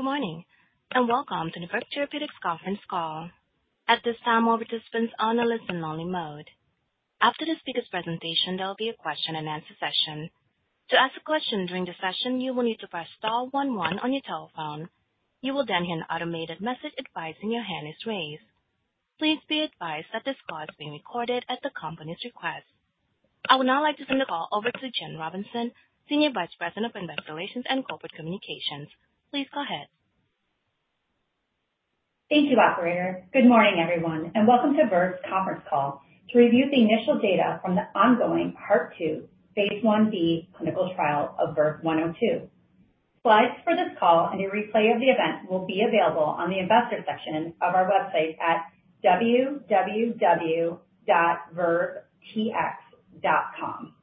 Good morning and welcome to the Verve Therapeutics conference call. At this time, all participants are on a listen-only mode. After the speaker's presentation, there will be a question-and-answer session. To ask a question during the session, you will need to press star one one on your telephone. You will then hear an automated message advising your hand is raised. Please be advised that this call is being recorded at the company's request. I would now like to turn the call over to Jen Robinson, Senior Vice President of Investor Relations and Corporate Communications. Please go ahead. Thank you, Operator. Good morning, everyone, and welcome to Verve's conference call to review the initial data from the ongoing part two, phase I-B clinical trial of VERVE-102. Slides for this call and a replay of the event will be available on the investor section of our website at www.vervetx.com.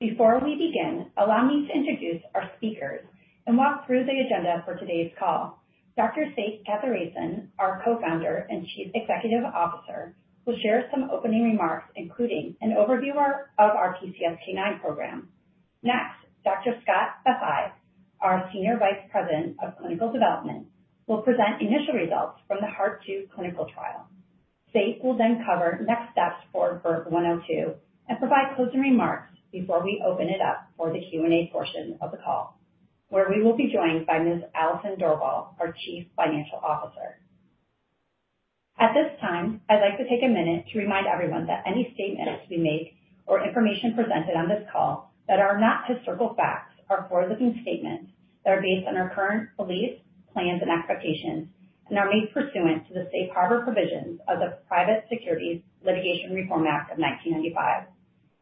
Before we begin, allow me to introduce our speakers and walk through the agenda for today's call. Dr. Sek Kathiresan, our Co-founder and Chief Executive Officer, will share some opening remarks, including an overview of our PCSK9 program. Next, Dr. Scott Vafai, our Senior Vice President of Clinical Development, will present initial results from the part two clinical trial. Sek will then cover next steps for VERVE-102 and provide closing remarks before we open it up for the Q&A portion of the call, where we will be joined by Ms. Allison Dorval, our Chief Financial Officer. At this time, I'd like to take a minute to remind everyone that any statements we make or information presented on this call that are not historical facts are forward-looking statements that are based on our current beliefs, plans, and expectations, and are made pursuant to the safe harbor provisions of the Private Securities Litigation Reform Act of 1995.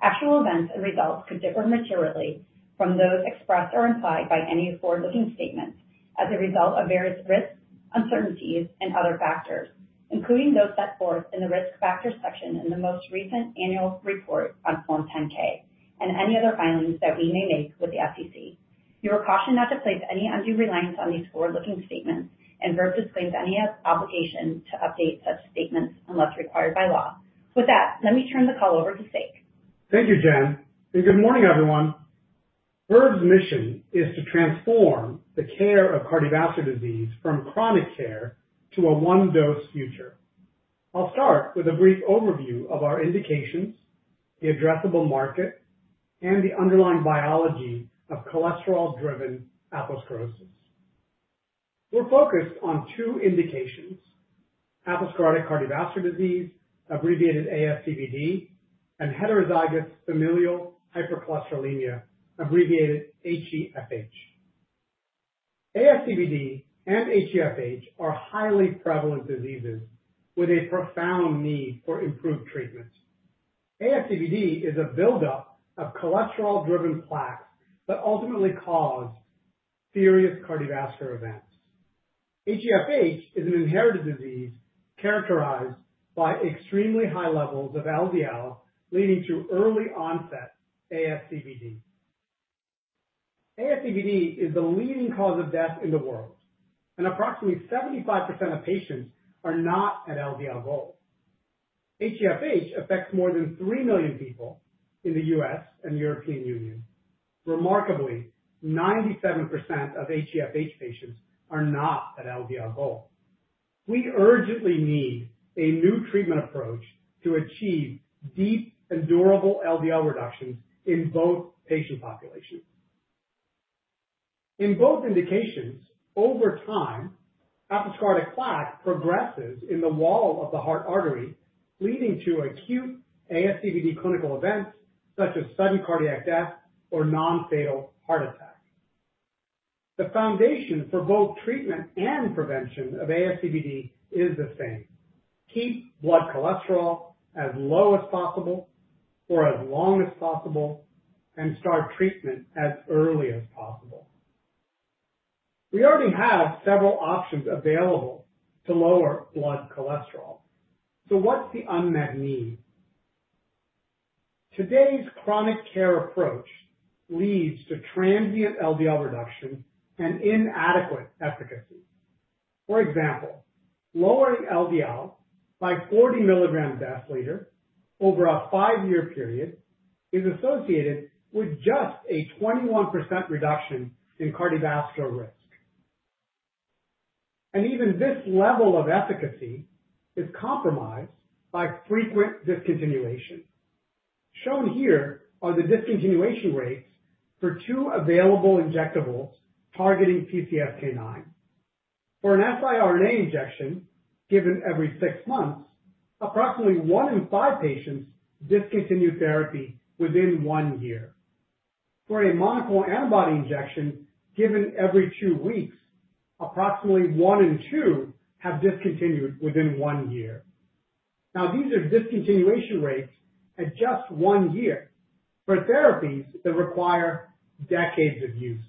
Actual events and results could differ materially from those expressed or implied by any forward-looking statements as a result of various risks, uncertainties, and other factors, including those set forth in the risk factor section in the most recent annual report on Form 10-K and any other filings that we may make with the FDA. You are cautioned not to place any undue reliance on these forward-looking statements, and Verve Therapeutics disclaims any obligation to update such statements unless required by law. With that, let me turn the call over to Sek. Thank you, Jen. Good morning, everyone. Verve's mission is to transform the care of cardiovascular disease from chronic care to a one-dose future. I'll start with a brief overview of our indications, the addressable market, and the underlying biology of cholesterol-driven atherosclerosis. We're focused on two indications: atherosclerotic cardiovascular disease, abbreviated ASCVD, and heterozygous familial hypercholesterolemia, abbreviated HeFH. ASCVD and HeFH are highly prevalent diseases with a profound need for improved treatment. ASCVD is a buildup of cholesterol-driven plaques that ultimately cause serious cardiovascular events. HeFH is an inherited disease characterized by extremely high levels of LDL, leading to early onset ASCVD. ASCVD is the leading cause of death in the world, and approximately 75% of patients are not at LDL goal. HeFH affects more than 3 million people in the US and European Union. Remarkably, 97% of HeFH patients are not at LDL goal. We urgently need a new treatment approach to achieve deep and durable LDL reductions in both patient populations. In both indications, over time, atherosclerotic plaque progresses in the wall of the heart artery, leading to acute ASCVD clinical events such as sudden cardiac death or non-fatal heart attack. The foundation for both treatment and prevention of ASCVD is the same: keep blood cholesterol as low as possible for as long as possible and start treatment as early as possible. We already have several options available to lower blood cholesterol. What's the unmet need? Today's chronic care approach leads to transient LDL reduction and inadequate efficacy. For example, lowering LDL by 40 mg/dL over a five-year period is associated with just a 21% reduction in cardiovascular risk. Even this level of efficacy is compromised by frequent discontinuation. Shown here are the discontinuation rates for two available injectables targeting PCSK9. For an siRNA injection given every six months, approximately one in five patients discontinue therapy within one year. For a monoclonal antibody injection given every two weeks, approximately one in two have discontinued within one year. Now, these are discontinuation rates at just one year for therapies that require decades of use.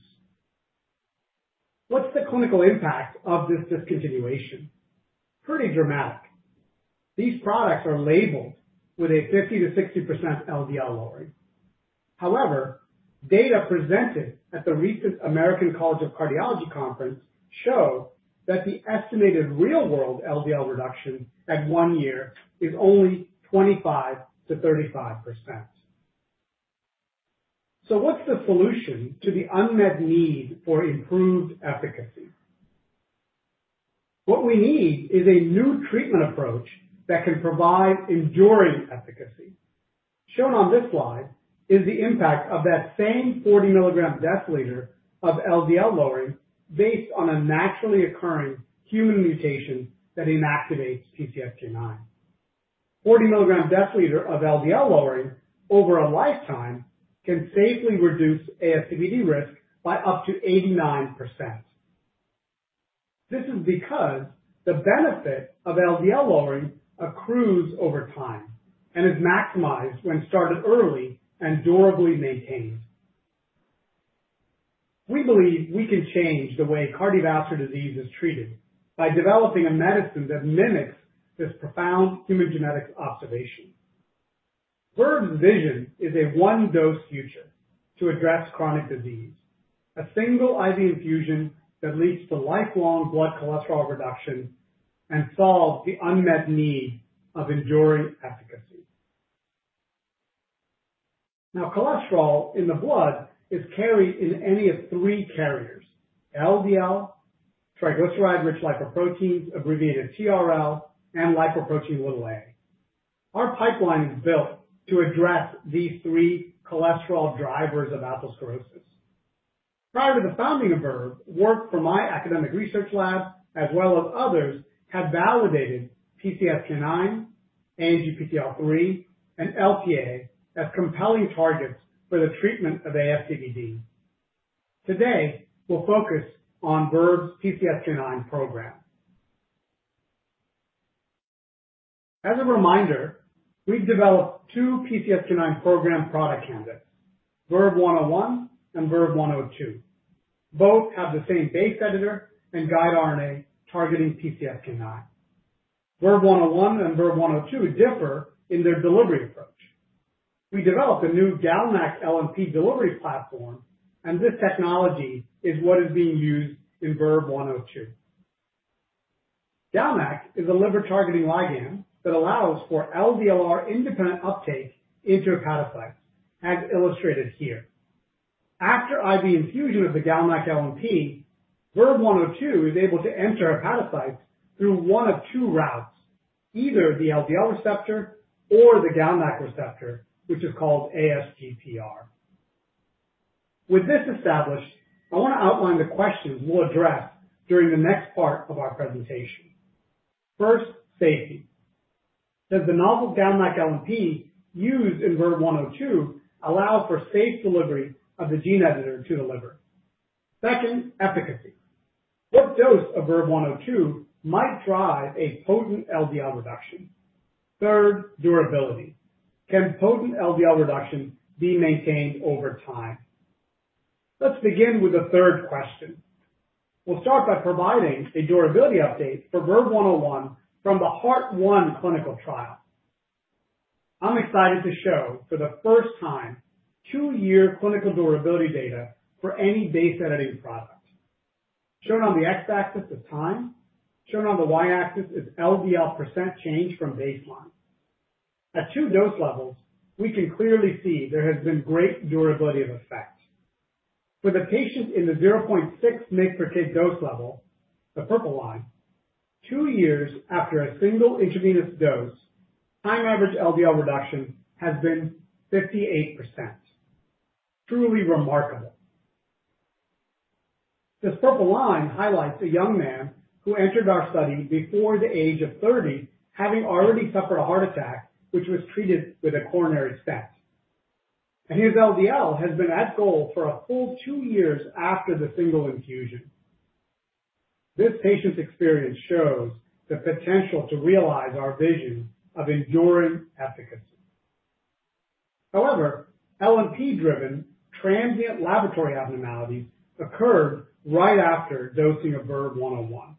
What's the clinical impact of this discontinuation? Pretty dramatic. These products are labeled with a 50%-60% LDL lowering. However, data presented at the recent American College of Cardiology Conference show that the estimated real-world LDL reduction at one year is only 25%-35%. What's the solution to the unmet need for improved efficacy? What we need is a new treatment approach that can provide enduring efficacy. Shown on this slide is the impact of that same 40 mg/dL of LDL lowering based on a naturally occurring human mutation that inactivates PCSK9. 40 mg/dL of LDL lowering over a lifetime can safely reduce ASCVD risk by up to 89%. This is because the benefit of LDL lowering accrues over time and is maximized when started early and durably maintained. We believe we can change the way cardiovascular disease is treated by developing a medicine that mimics this profound human genetics observation. Verve's vision is a one-dose future to address chronic disease: a single IV infusion that leads to lifelong blood cholesterol reduction and solves the unmet need of enduring efficacy. Now, cholesterol in the blood is carried in any of three carriers: LDL, triglyceride-rich lipoproteins, abbreviated TRL, and Lipoprotein(a). Our pipeline is built to address these three cholesterol drivers of atherosclerosis. Prior to the founding of Verve, work from my academic research lab as well as others had validated PCSK9, ANGPTL3, and Lp(a) as compelling targets for the treatment of ASCVD. Today, we'll focus on Verve's PCSK9 program. As a reminder, we've developed two PCSK9 program product candidates: VERVE-101 and VERVE-102. Both have the same base editor and guide RNA targeting PCSK9. VERVE-101 and VERVE-102 differ in their delivery approach. We developed a new GalNAc-LNP delivery platform, and this technology is what is being used in VERVE-102. GalNAc is a liver-targeting ligand that allows for LDLR independent uptake into hepatocytes, as illustrated here. After IV infusion of the GalNAc-LNP, VERVE-102 is able to enter hepatocytes through one of two routes: either the LDL receptor or the GalNAc receptor, which is called ASGPR. With this established, I want to outline the questions we'll address during the next part of our presentation. First, safety. Does the novel GalNAc-LNP used in VERVE-102 allow for safe delivery of the gene editor to the liver? Second, efficacy. What dose of VERVE-102 might drive a potent LDL reduction? Third, durability. Can potent LDL reduction be maintained over time? Let's begin with the third question. We'll start by providing a durability update for VERVE-101 from the part one clinical trial. I'm excited to show, for the first time, two-year clinical durability data for any base-editing product. Shown on the x-axis is time. Shown on the y-axis is LDL % change from baseline. At two dose levels, we can clearly see there has been great durability of effect. For the patient in the 0.6 mg/kg dose level, the purple line, two years after a single intravenous dose, time average LDL reduction has been 58%. Truly remarkable. This purple line highlights a young man who entered our study before the age of 30, having already suffered a heart attack, which was treated with a coronary stent. His LDL has been at goal for a full two years after the single infusion. This patient's experience shows the potential to realize our vision of enduring efficacy. However, LNP-driven transient laboratory abnormalities occurred right after dosing of VERVE-101.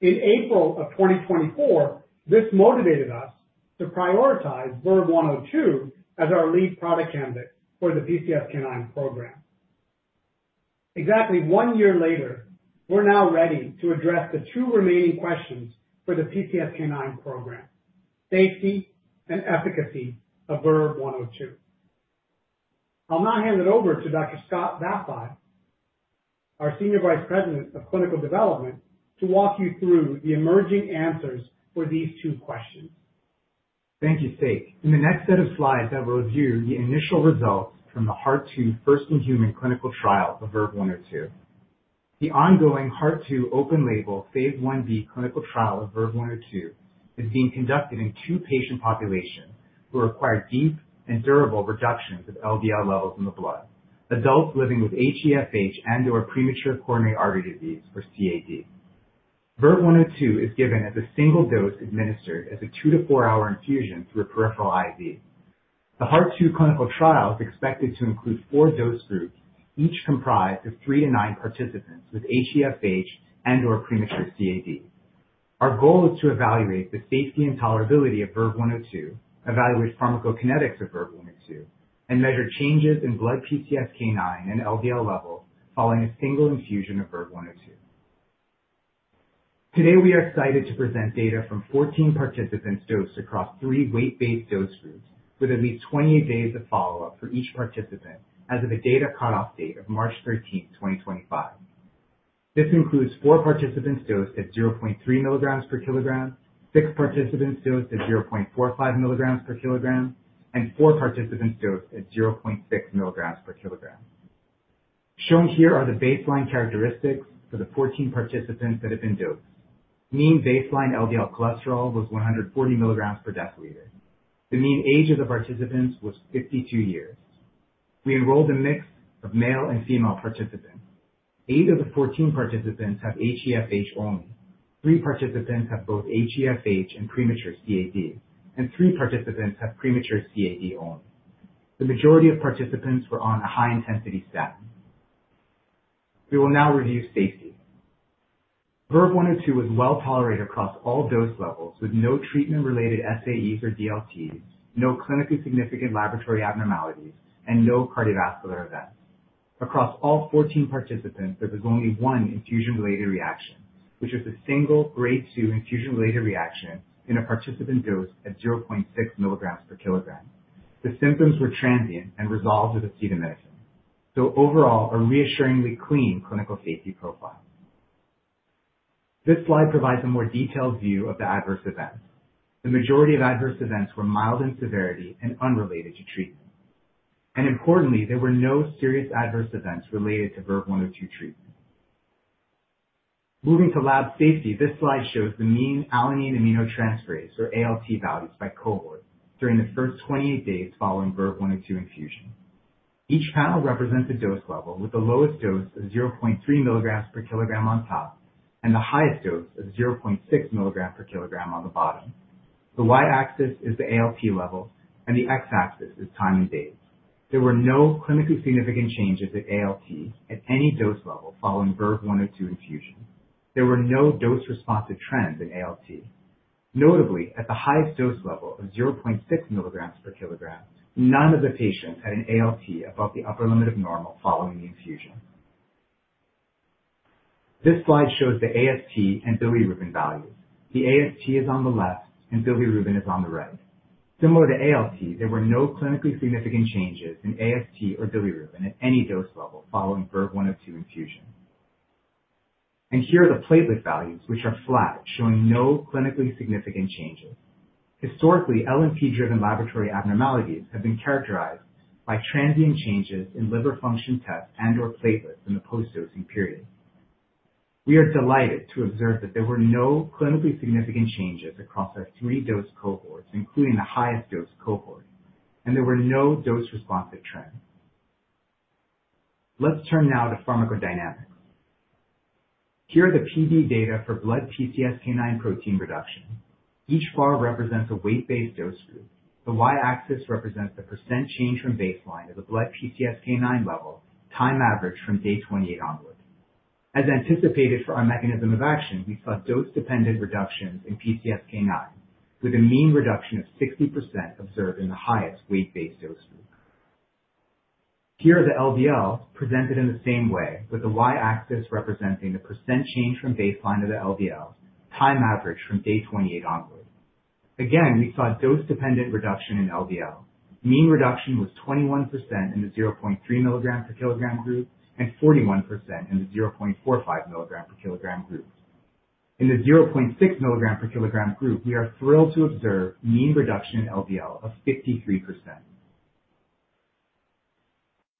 In April of 2024, this motivated us to prioritize VERVE-102 as our lead product candidate for the PCSK9 program. Exactly one year later, we're now ready to address the two remaining questions for the PCSK9 program: safety and efficacy of VERVE-102. I'll now hand it over to Dr. Scott Vafai, our Senior Vice President of Clinical Development, to walk you through the emerging answers for these two questions. Thank you, Sek. In the next set of slides, I will review the initial results from the part two first-in-human clinical trial of VERVE-102. The ongoing part two open-label phase I-B clinical trial of VERVE-102 is being conducted in two patient populations who require deep and durable reductions of LDL levels in the blood: adults living with HeFH and/or premature coronary artery disease, or CAD. VERVE-102 is given as a single dose administered as a two-to-four-hour infusion through a peripheral IV. The part two clinical trial is expected to include four dose groups, each comprised of three to nine participants with HeFH and/or premature CAD. Our goal is to evaluate the safety and tolerability of VERVE-102, evaluate pharmacokinetics of VERVE-102, and measure changes in blood PCSK9 and LDL levels following a single infusion of VERVE-102. Today, we are excited to present data from 14 participants dosed across three weight-based dose groups with at least 28 days of follow-up for each participant as of the data cutoff date of March 13, 2025. This includes four participants dosed at 0.3 mg/kg six participants dosed at 0.45 mg/kg, and four participants dosed at 0.6 mg/kg. Shown here are the baseline characteristics for the 14 participants that have been dosed. Mean baseline LDL cholesterol was 140 mg/dL. The mean age of the participants was 52 years. We enrolled a mix of male and female participants. Eight of the 14 participants have HeFH only. Three participants have both HeFH and premature CAD, and three participants have premature CAD only. The majority of participants were on a high-intensity statin. We will now review safety. VERVE-102 was well tolerated across all dose levels with no treatment-related SAEs or DLTs, no clinically significant laboratory abnormalities, and no cardiovascular events. Across all 14 participants, there was only one infusion-related reaction, which was a single grade 2 infusion-related reaction in a participant dosed at 0.6 mg/kg. The symptoms were transient and resolved with acetaminophen. Overall, a reassuringly clean clinical safety profile. This slide provides a more detailed view of the adverse events. The majority of adverse events were mild in severity and unrelated to treatment. Importantly, there were no serious adverse events related to VERVE-102 treatment. Moving to lab safety, this slide shows the mean alanine aminotransferase, or ALT, values by cohort during the first 28 days following VERVE-102 infusion. Each panel represents a dose level with the lowest dose of 0.3 mg/kg on top and the highest dose of 0.6 mg/kg on the bottom. The y-axis is the ALT level, and the x-axis is time in days. There were no clinically significant changes at ALT at any dose level following VERVE-102 infusion. There were no dose-responsive trends in ALT. Notably, at the highest dose level of 0.6 mg/kg, none of the patients had an ALT above the upper limit of normal following the infusion. This slide shows the AST and bilirubin values. The AST is on the left, and bilirubin is on the right. Similar to ALT, there were no clinically significant changes in AST or bilirubin at any dose level following VERVE-102 infusion. Here are the platelet values, which are flat, showing no clinically significant changes. Historically, LNP-driven laboratory abnormalities have been characterized by transient changes in liver function tests and/or platelets in the post-dosing period. We are delighted to observe that there were no clinically significant changes across our three-dose cohorts, including the highest dose cohort, and there were no dose-responsive trends. Let's turn now to pharmacodynamics. Here are the PD data for blood PCSK9 protein reduction. Each bar represents a weight-based dose group. The y-axis represents the % change from baseline of the blood PCSK9 level time average from day 28 onward. As anticipated for our mechanism of action, we saw dose-dependent reductions in PCSK9, with a mean reduction of 60% observed in the highest weight-based dose group. Here are the LDLs presented in the same way, with the y-axis representing the % change from baseline of the LDL time average from day 28 onward. Again, we saw dose-dependent reduction in LDL. Mean reduction was 21% in the 0.3 mg/kg group and 41% in the 0.45 mg/kg group. In the 0.6 mg/kg group, we are thrilled to observe mean reduction in LDL of 53%.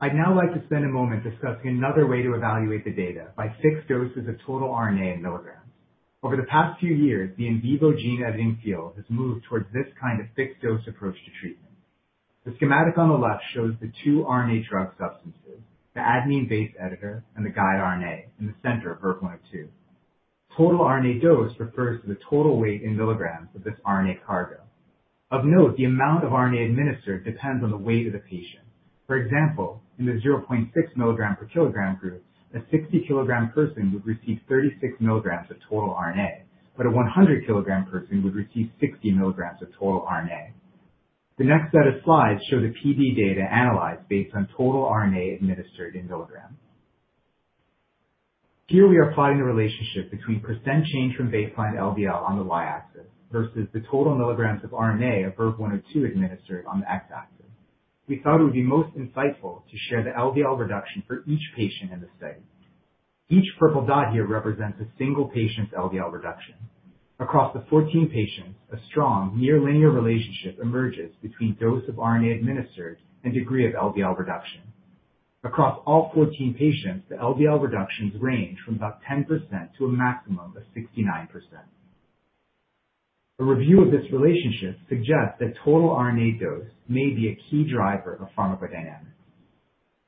I'd now like to spend a moment discussing another way to evaluate the data by fixed doses of total RNA in milligrams. Over the past few years, the in vivo gene editing field has moved towards this kind of fixed dose approach to treatment. The schematic on the left shows the two RNA drug substances, the adenine base editor and the guide RNA, in the center of VERVE-102. Total RNA dose refers to the total weight in milligrams of this RNA cargo. Of note, the amount of RNA administered depends on the weight of the patient. For example, in the 0.6 mg/kg group, a 60 kg person would receive 36 mg of total RNA, but a 100 kg person would receive 60 mg of total RNA. The next set of slides shows the PD data analyzed based on total RNA administered in milligrams. Here we are plotting the relationship between percent change from baseline LDL on the y-axis versus the total milligrams of RNA of VERVE-102 administered on the x-axis. We thought it would be most insightful to share the LDL reduction for each patient in the study. Each purple dot here represents a single patient's LDL reduction. Across the 14 patients, a strong near-linear relationship emerges between dose of RNA administered and degree of LDL reduction. Across all 14 patients, the LDL reductions range from about 10% to a maximum of 69%. A review of this relationship suggests that total RNA dose may be a key driver of pharmacodynamics.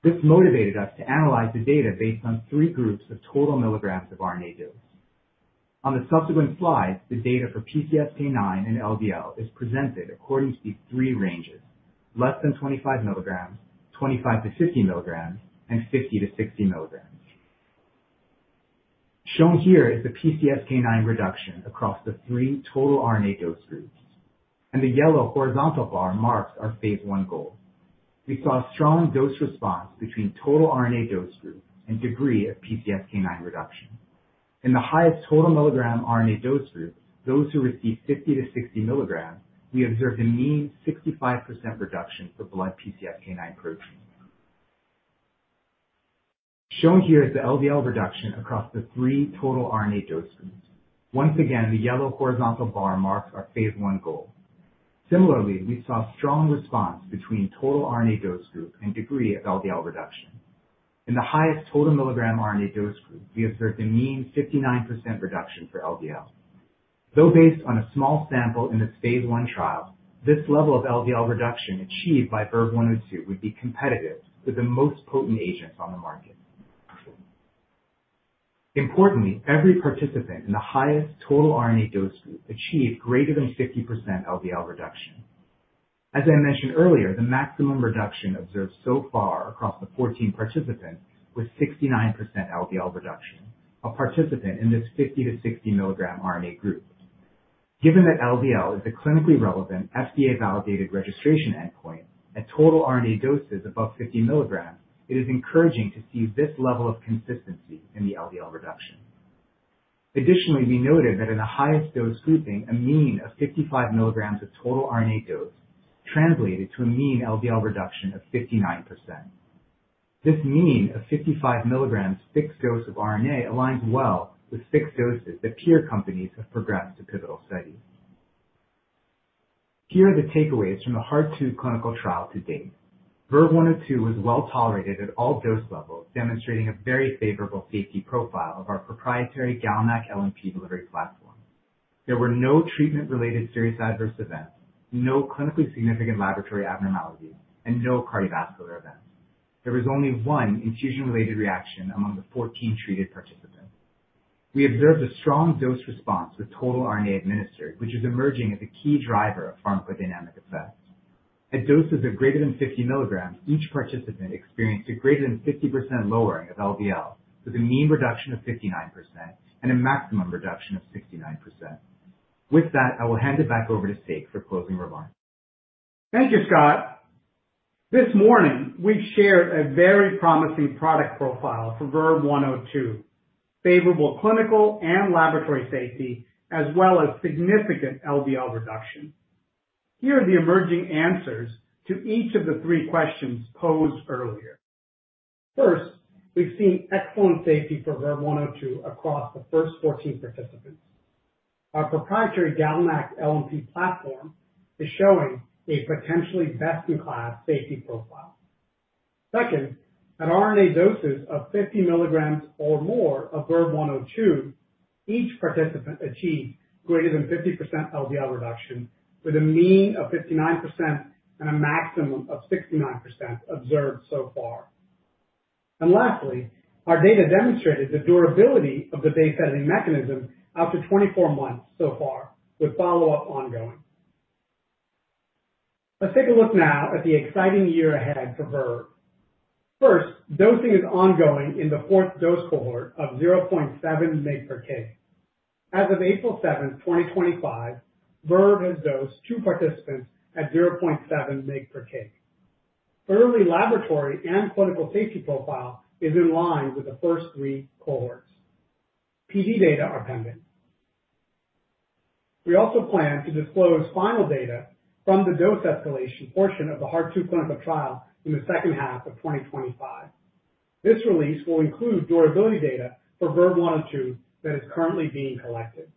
This motivated us to analyze the data based on three groups of total milligrams of RNA dose. On the subsequent slides, the data for PCSK9 and LDL is presented according to these three ranges: less than 25 mg, 25 mg-50 mg, and 50 mg-60 mg. Shown here is the PCSK9 reduction across the three total RNA dose groups. The yellow horizontal bar marks our phase I goal. We saw a strong dose response between total RNA dose group and degree of PCSK9 reduction. In the highest total milligram RNA dose group, those who received 50 mg-60 mg, we observed a mean 65% reduction for blood PCSK9 protein. Shown here is the LDL reduction across the three total RNA dose groups. Once again, the yellow horizontal bar marks our phase I goal. Similarly, we saw a strong response between total RNA dose group and degree of LDL reduction. In the highest total milligram RNA dose group, we observed a mean 59% reduction for LDL. Though based on a small sample in this phase I trial, this level of LDL reduction achieved by VERVE-102 would be competitive with the most potent agents on the market. Importantly, every participant in the highest total RNA dose group achieved greater than 50% LDL reduction. As I mentioned earlier, the maximum reduction observed so far across the 14 participants was 69% LDL reduction for participants in this 50 mg-60 mg RNA group. Given that LDL is a clinically relevant, FDA-validated registration endpoint at total RNA doses above 50 mg, it is encouraging to see this level of consistency in the LDL reduction. Additionally, we noted that in the highest dose grouping, a mean of 55 mg of total RNA dose translated to a mean LDL reduction of 59%. This mean of 55 mg fixed dose of RNA aligns well with fixed doses that peer companies have progressed to pivotal studies. Here are the takeaways from the part two clinical trial to date. VERVE-102 was well tolerated at all dose levels, demonstrating a very favorable safety profile of our proprietary GalNAc-LNP delivery platform. There were no treatment-related serious adverse events, no clinically significant laboratory abnormalities, and no cardiovascular events. There was only one infusion-related reaction among the 14 treated participants. We observed a strong dose response with total RNA administered, which is emerging as a key driver of pharmacodynamic effect. At doses of greater than 50 mg, each participant experienced a greater than 50% lowering of LDL, with a mean reduction of 59% and a maximum reduction of 69%. With that, I will hand it back over to Sek for closing remarks. Thank you, Scott. This morning, we've shared a very promising product profile for VERVE-102: favorable clinical and laboratory safety, as well as significant LDL reduction. Here are the emerging answers to each of the three questions posed earlier. First, we've seen excellent safety for VERVE-102 across the first 14 participants. Our proprietary GalNAc-LNP platform is showing a potentially best-in-class safety profile. Second, at RNA doses of 50 mg or more of VERVE-102, each participant achieved greater than 50% LDL reduction with a mean of 59% and a maximum of 69% observed so far. Lastly, our data demonstrated the durability of the base editing mechanism after 24 months so far, with follow-up ongoing. Let's take a look now at the exciting year ahead for Verve. First, dosing is ongoing in the fourth dose cohort of 0.7 mg/kg. As of April 7, 2025, Verve has dosed two participants at 0.7 mg/kg. Early laboratory and clinical safety profile is in line with the first three cohorts. PD data are pending. We also plan to disclose final data from the dose escalation portion of the part two clinical trial in the second half of 2025. This release will include durability data for VERVE-102 that is currently being collected.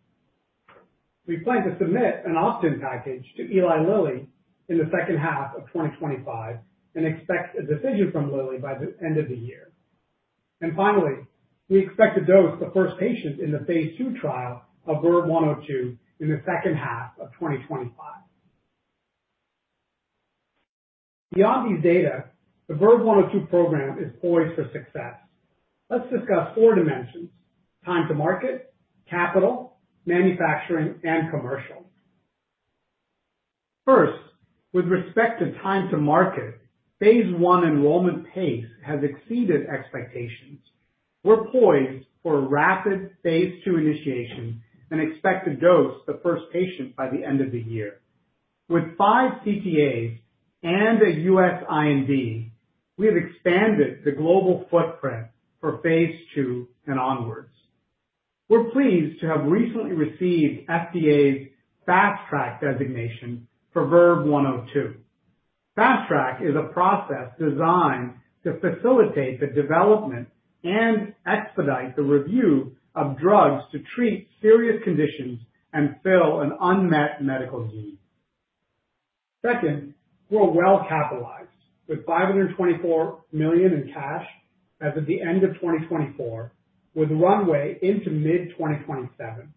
We plan to submit an opt-in package to Eli Lilly in the second half of 2025 and expect a decision from Lilly by the end of the year. Finally, we expect to dose the first patient in the phase II trial of VERVE-102 in the second half of 2025. Beyond these data, the VERVE-102 program is poised for success. Let's discuss four dimensions: time to market, capital, manufacturing, and commercial. First, with respect to time to market, phase I enrollment pace has exceeded expectations. We're poised for a rapid phase II initiation and expected dose to the first patient by the end of the year. With five CTAs and a U.S. IND, we have expanded the global footprint for phase II and onwards. We're pleased to have recently received FDA's Fast Track designation for VERVE-102. Fast Track is a process designed to facilitate the development and expedite the review of drugs to treat serious conditions and fill an unmet medical need. Second, we're well capitalized with $524 million in cash as of the end of 2024, with runway into mid-2027.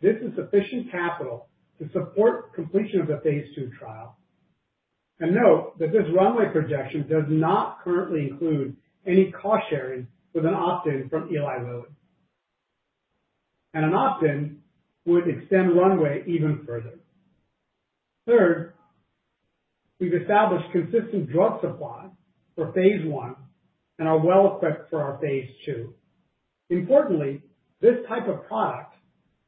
This is sufficient capital to support completion of the phase II trial. Note that this runway projection does not currently include any cost sharing with an opt-in from Eli Lilly. An opt-in would extend runway even further. Third, we've established consistent drug supply for phase I and are well equipped for our phase II. Importantly, this type of product,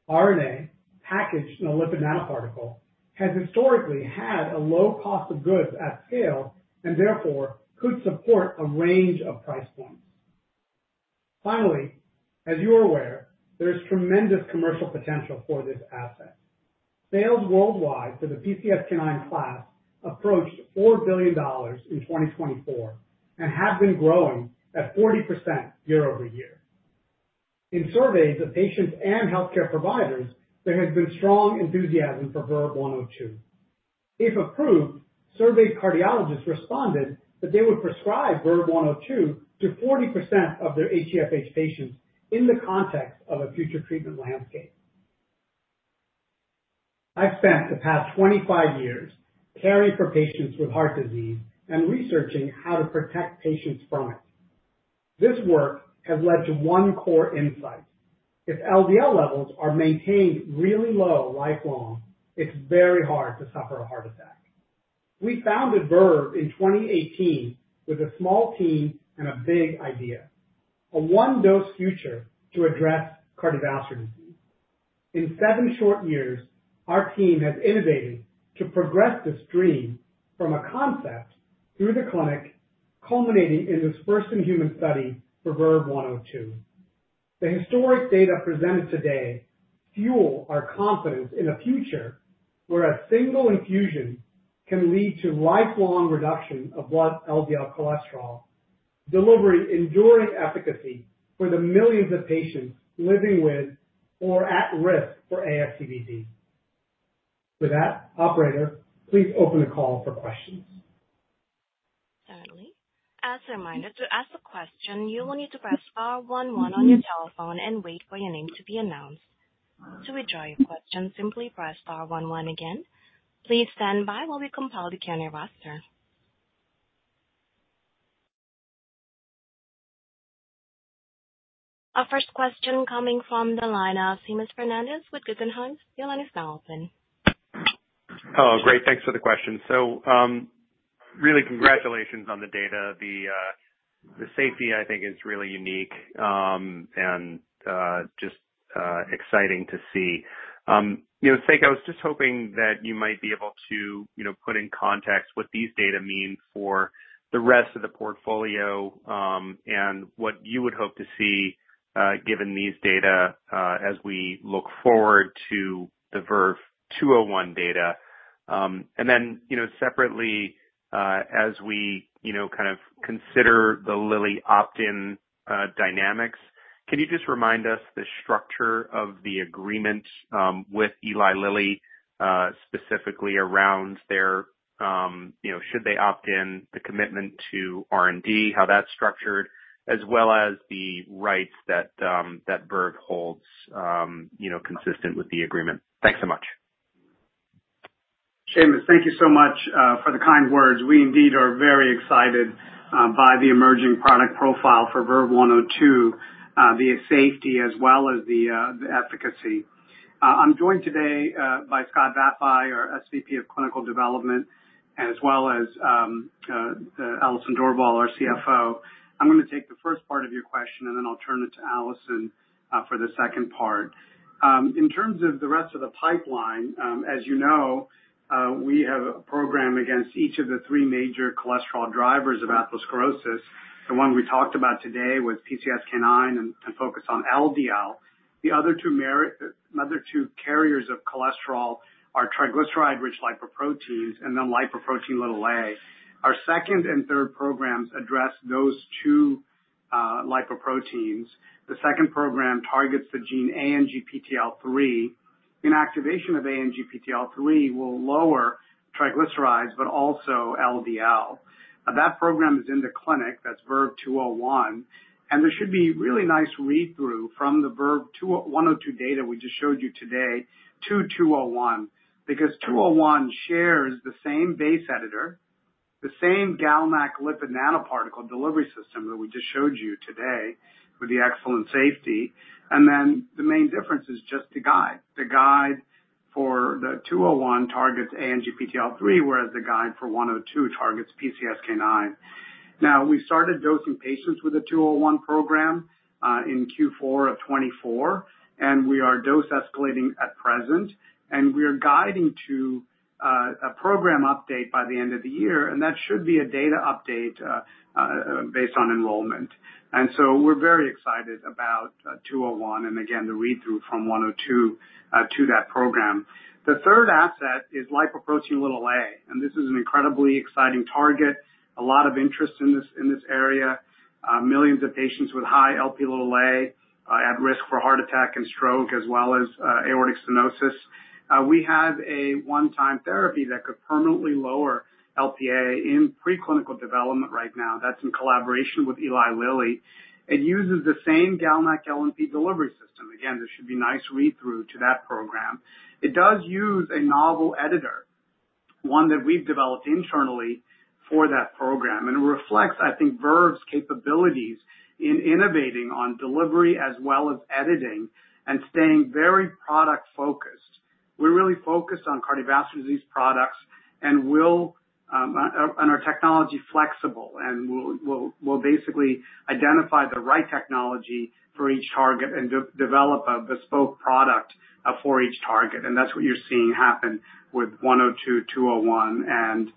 RNA packaged in a lipid nanoparticle, has historically had a low cost of goods at scale and therefore could support a range of price points. Finally, as you are aware, there is tremendous commercial potential for this asset. Sales worldwide for the PCSK9 class approached $4 billion in 2024 and have been growing at 40% year-over-year. In surveys of patients and healthcare providers, there has been strong enthusiasm for VERVE-102. If approved, surveyed cardiologists responded that they would prescribe VERVE-102 to 40% of their HeFH patients in the context of a future treatment landscape. I've spent the past 25 years caring for patients with heart disease and researching how to protect patients from it. This work has led to one core insight: if LDL levels are maintained really low lifelong, it's very hard to suffer a heart attack. We founded Verve in 2018 with a small team and a big idea: a one-dose future to address cardiovascular disease. In seven short years, our team has innovated to progress this dream from a concept through the clinic, culminating in this first-in-human study for VERVE-102. The historic data presented today fuel our confidence in a future where a single infusion can lead to lifelong reduction of blood LDL cholesterol, delivering enduring efficacy for the millions of patients living with or at risk for ASCVD. With that, operator, please open the call for questions. Certainly. As a reminder, to ask a question, you will need to press star one one on your telephone and wait for your name to be announced. To withdraw your question, simply press star one one again. Please stand by while we compile the Q&A roster. Our first question coming from the line of Seamus Fernandez with Guggenheim. The line is now open. Oh, great. Thanks for the question. Really, congratulations on the data. The safety, I think, is really unique and just exciting to see. Sek, I was just hoping that you might be able to put in context what these data mean for the rest of the portfolio and what you would hope to see given these data as we look forward to the VERVE-201 data. Separately, as we kind of consider the Lilly opt-in dynamics, can you just remind us the structure of the agreement with Eli Lilly specifically around their, should they opt in, the commitment to R&D, how that's structured, as well as the rights that Verve holds consistent with the agreement? Thanks so much. Seamus, thank you so much for the kind words. We indeed are very excited by the emerging product profile for VERVE-102, the safety as well as the efficacy. I'm joined today by Scott Vafai, our SVP of Clinical Development, as well as Alison Dorval, our CFO. I'm going to take the first part of your question, and then I'll turn it to Alison for the second part. In terms of the rest of the pipeline, as you know, we have a program against each of the three major cholesterol drivers of atherosclerosis. The one we talked about today was PCSK9 and focused on LDL. The other two carriers of cholesterol are triglyceride-rich lipoproteins and then lipoprotein little a. Our second and third programs address those two lipoproteins. The second program targets the gene ANGPTL3. Inactivation of ANGPTL3 will lower triglycerides, but also LDL. That program is in the clinic. That's VERVE-201. There should be really nice read-through from the VERVE-102 data we just showed you today to 201 because 201 shares the same base editor, the same GalNAc-LNP delivery system that we just showed you today with the excellent safety. The main difference is just the guide. The guide for the 201 targets ANGPTL3, whereas the guide for 102 targets PCSK9. We started dosing patients with the 201 program in Q4 of 2024, and we are dose escalating at present. We are guiding to a program update by the end of the year, and that should be a data update based on enrollment. We are very excited about 201 and, again, the read-through from 102 to that program. The third asset is lipoprotein little a. This is an incredibly exciting target, a lot of interest in this area, millions of patients with high Lp(a) at risk for heart attack and stroke, as well as aortic stenosis. We have a one-time therapy that could permanently lower Lp(a) in preclinical development right now. That is in collaboration with Eli Lilly. It uses the same GalNAc-LNP delivery system. Again, there should be nice read-through to that program. It does use a novel editor, one that we've developed internally for that program, and it reflects, I think, Verve's capabilities in innovating on delivery as well as editing and staying very product-focused. We're really focused on cardiovascular disease products and our technology is flexible, and we'll basically identify the right technology for each target and develop a bespoke product for each target. That is what you're seeing happen with 102, 201, and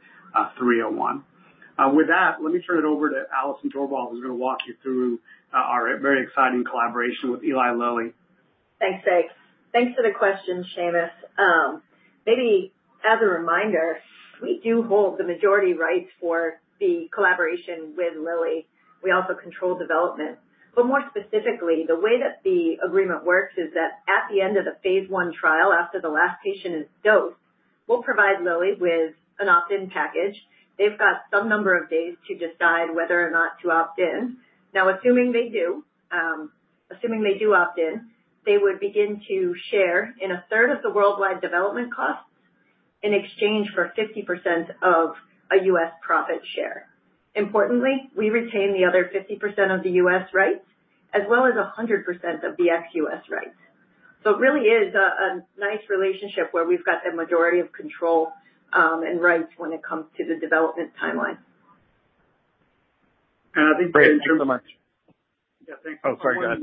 301. With that, let me turn it over to Alison Dorval, who's going to walk you through our very exciting collaboration with Eli Lilly. Thanks, Sek. Thanks for the question, Seamus. Maybe as a reminder, we do hold the majority rights for the collaboration with Lilly. We also control development. More specifically, the way that the agreement works is that at the end of the phase I trial, after the last patient is dosed, we'll provide Lilly with an opt-in package. They've got some number of days to decide whether or not to opt in. Now, assuming they do opt in, they would begin to share in a third of the worldwide development costs in exchange for 50% of a U.S. profit share. Importantly, we retain the other 50% of the U.S. rights as well as 100% of the ex-U.S. rights. It really is a nice relationship where we've got the majority of control and rights when it comes to the development timeline. I think. Thank you so much. Yeah, thanks. Oh, sorry, go ahead.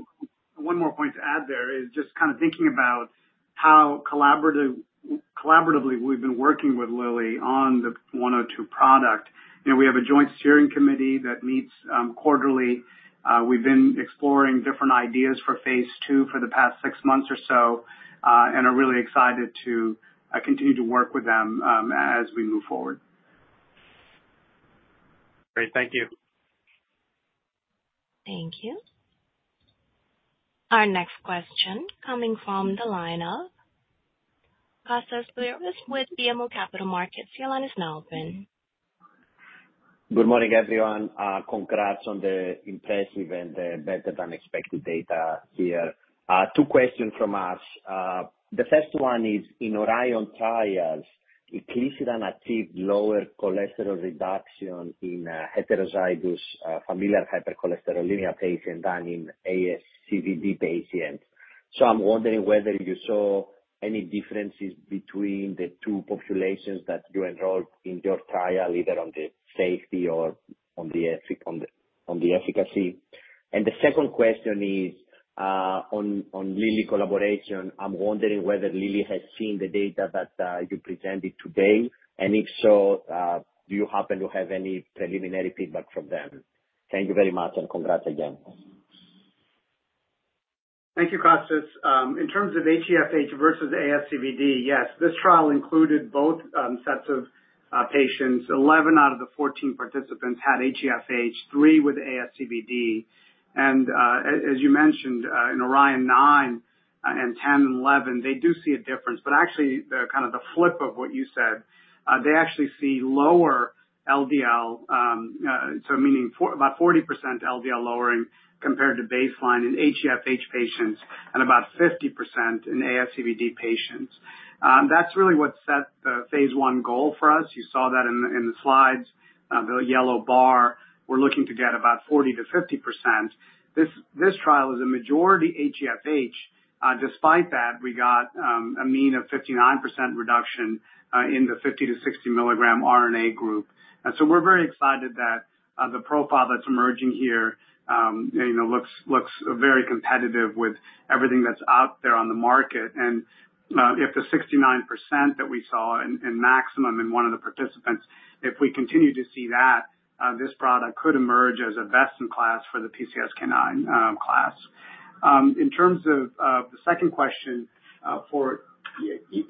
One more point to add there is just kind of thinking about how collaboratively we've been working with Lilly on the 102 product. We have a joint steering committee that meets quarterly. We've been exploring different ideas for phase II for the past six months or so and are really excited to continue to work with them as we move forward. Great. Thank you. Thank you. Our next question coming from the line of Kostas Biliouris with BMO Capital Markets. The line is now open. Good morning, everyone. Congrats on the impressive and better-than-expected data here. Two questions from us. The first one is, in ORION trials, inclisiran achieved lower cholesterol reduction in heterozygous familial hypercholesterolemia patients than in ASCVD patients. I am wondering whether you saw any differences between the two populations that you enrolled in your trial, either on the safety or on the efficacy. The second question is on Lilly collaboration. I am wondering whether Lilly has seen the data that you presented today, and if so, do you happen to have any preliminary feedback from them? Thank you very much, and congrats again. Thank you, Kostas In terms of HeFH versus ASCVD, yes, this trial included both sets of patients. Eleven out of the 14 participants had HeFH, three with ASCVD. As you mentioned, in ORION-9, 10, and 11, they do see a difference. Actually, kind of the flip of what you said, they actually see lower LDL, so meaning about 40% LDL lowering compared to baseline in HeFH patients and about 50% in ASCVD patients. That is really what set the phase I goal for us. You saw that in the slides, the yellow bar. We are looking to get about 40%-50%. This trial is a majority HeFH. Despite that, we got a mean of 59% reduction in the 50 mg-60 mg RNA group. We are very excited that the profile that is emerging here looks very competitive with everything that is out there on the market. If the 69% that we saw in maximum in one of the participants, if we continue to see that, this product could emerge as a best-in-class for the PCSK9 class. In terms of the second question for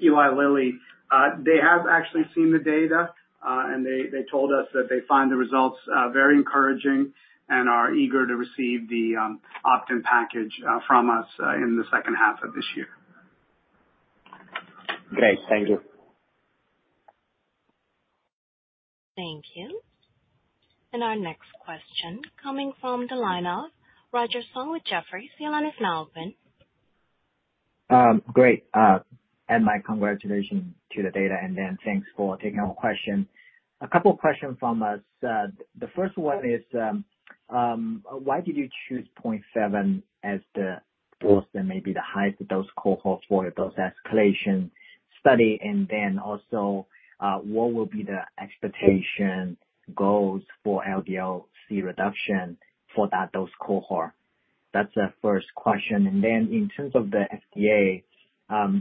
Eli Lilly, they have actually seen the data, and they told us that they find the results very encouraging and are eager to receive the opt-in package from us in the second half of this year. Great. Thank you. Thank you. Our next question is coming from the line of Roger Song with Jefferies. The line is now open. Great. My congratulations to the data. Thanks for taking our question. A couple of questions from us. The first one is, why did you choose 0.7 as the first and maybe the highest dose cohort for the dose escalation study? Also, what will be the expectation goals for LDL-C reduction for that dose cohort? That's the first question. In terms of the FDA,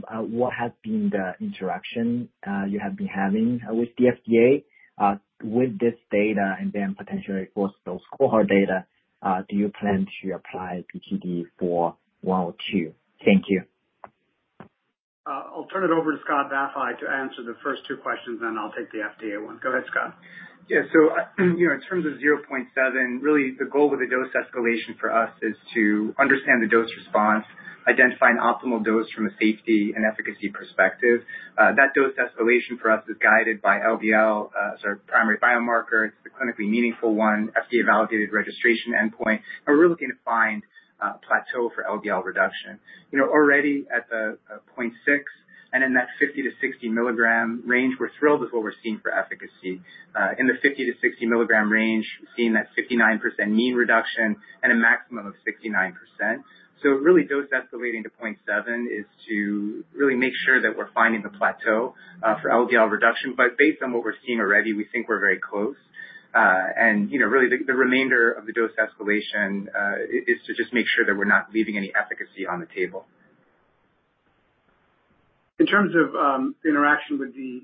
what has been the interaction you have been having with the FDA with this data and potentially for the dose cohort data? Do you plan to apply PCD for 102? Thank you. I'll turn it over to Scott Vafai to answer the first two questions, and I'll take the FDA one. Go ahead, Scott. Yeah. In terms of 0.7, really, the goal with the dose escalation for us is to understand the dose response, identify an optimal dose from a safety and efficacy perspective. That dose escalation for us is guided by LDL as our primary biomarker. It's the clinically meaningful one, FDA-validated registration endpoint. We're looking to find a plateau for LDL reduction. Already at the 0.6 and in that 50 mg-60 mg range, we're thrilled with what we're seeing for efficacy. In the 50 mg-60 mg range, we're seeing that 59% mean reduction and a maximum of 69%. Dose escalating to 0.7 is to really make sure that we're finding the plateau for LDL reduction. Based on what we're seeing already, we think we're very close. Really, the remainder of the dose escalation is to just make sure that we're not leaving any efficacy on the table. In terms of interaction with the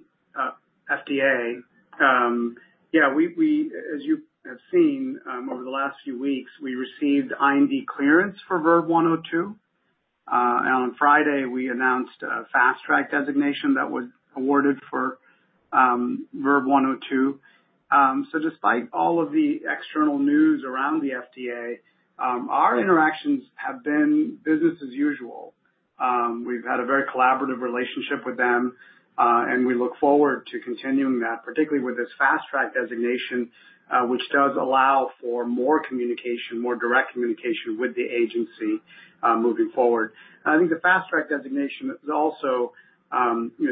FDA, yeah, as you have seen over the last few weeks, we received IND clearance for VERVE-102. On Friday, we announced a FastTrack designation that was awarded for VERVE-102. Despite all of the external news around the FDA, our interactions have been business as usual. We've had a very collaborative relationship with them, and we look forward to continuing that, particularly with this FastTrack designation, which does allow for more communication, more direct communication with the agency moving forward. I think the FastTrack designation is also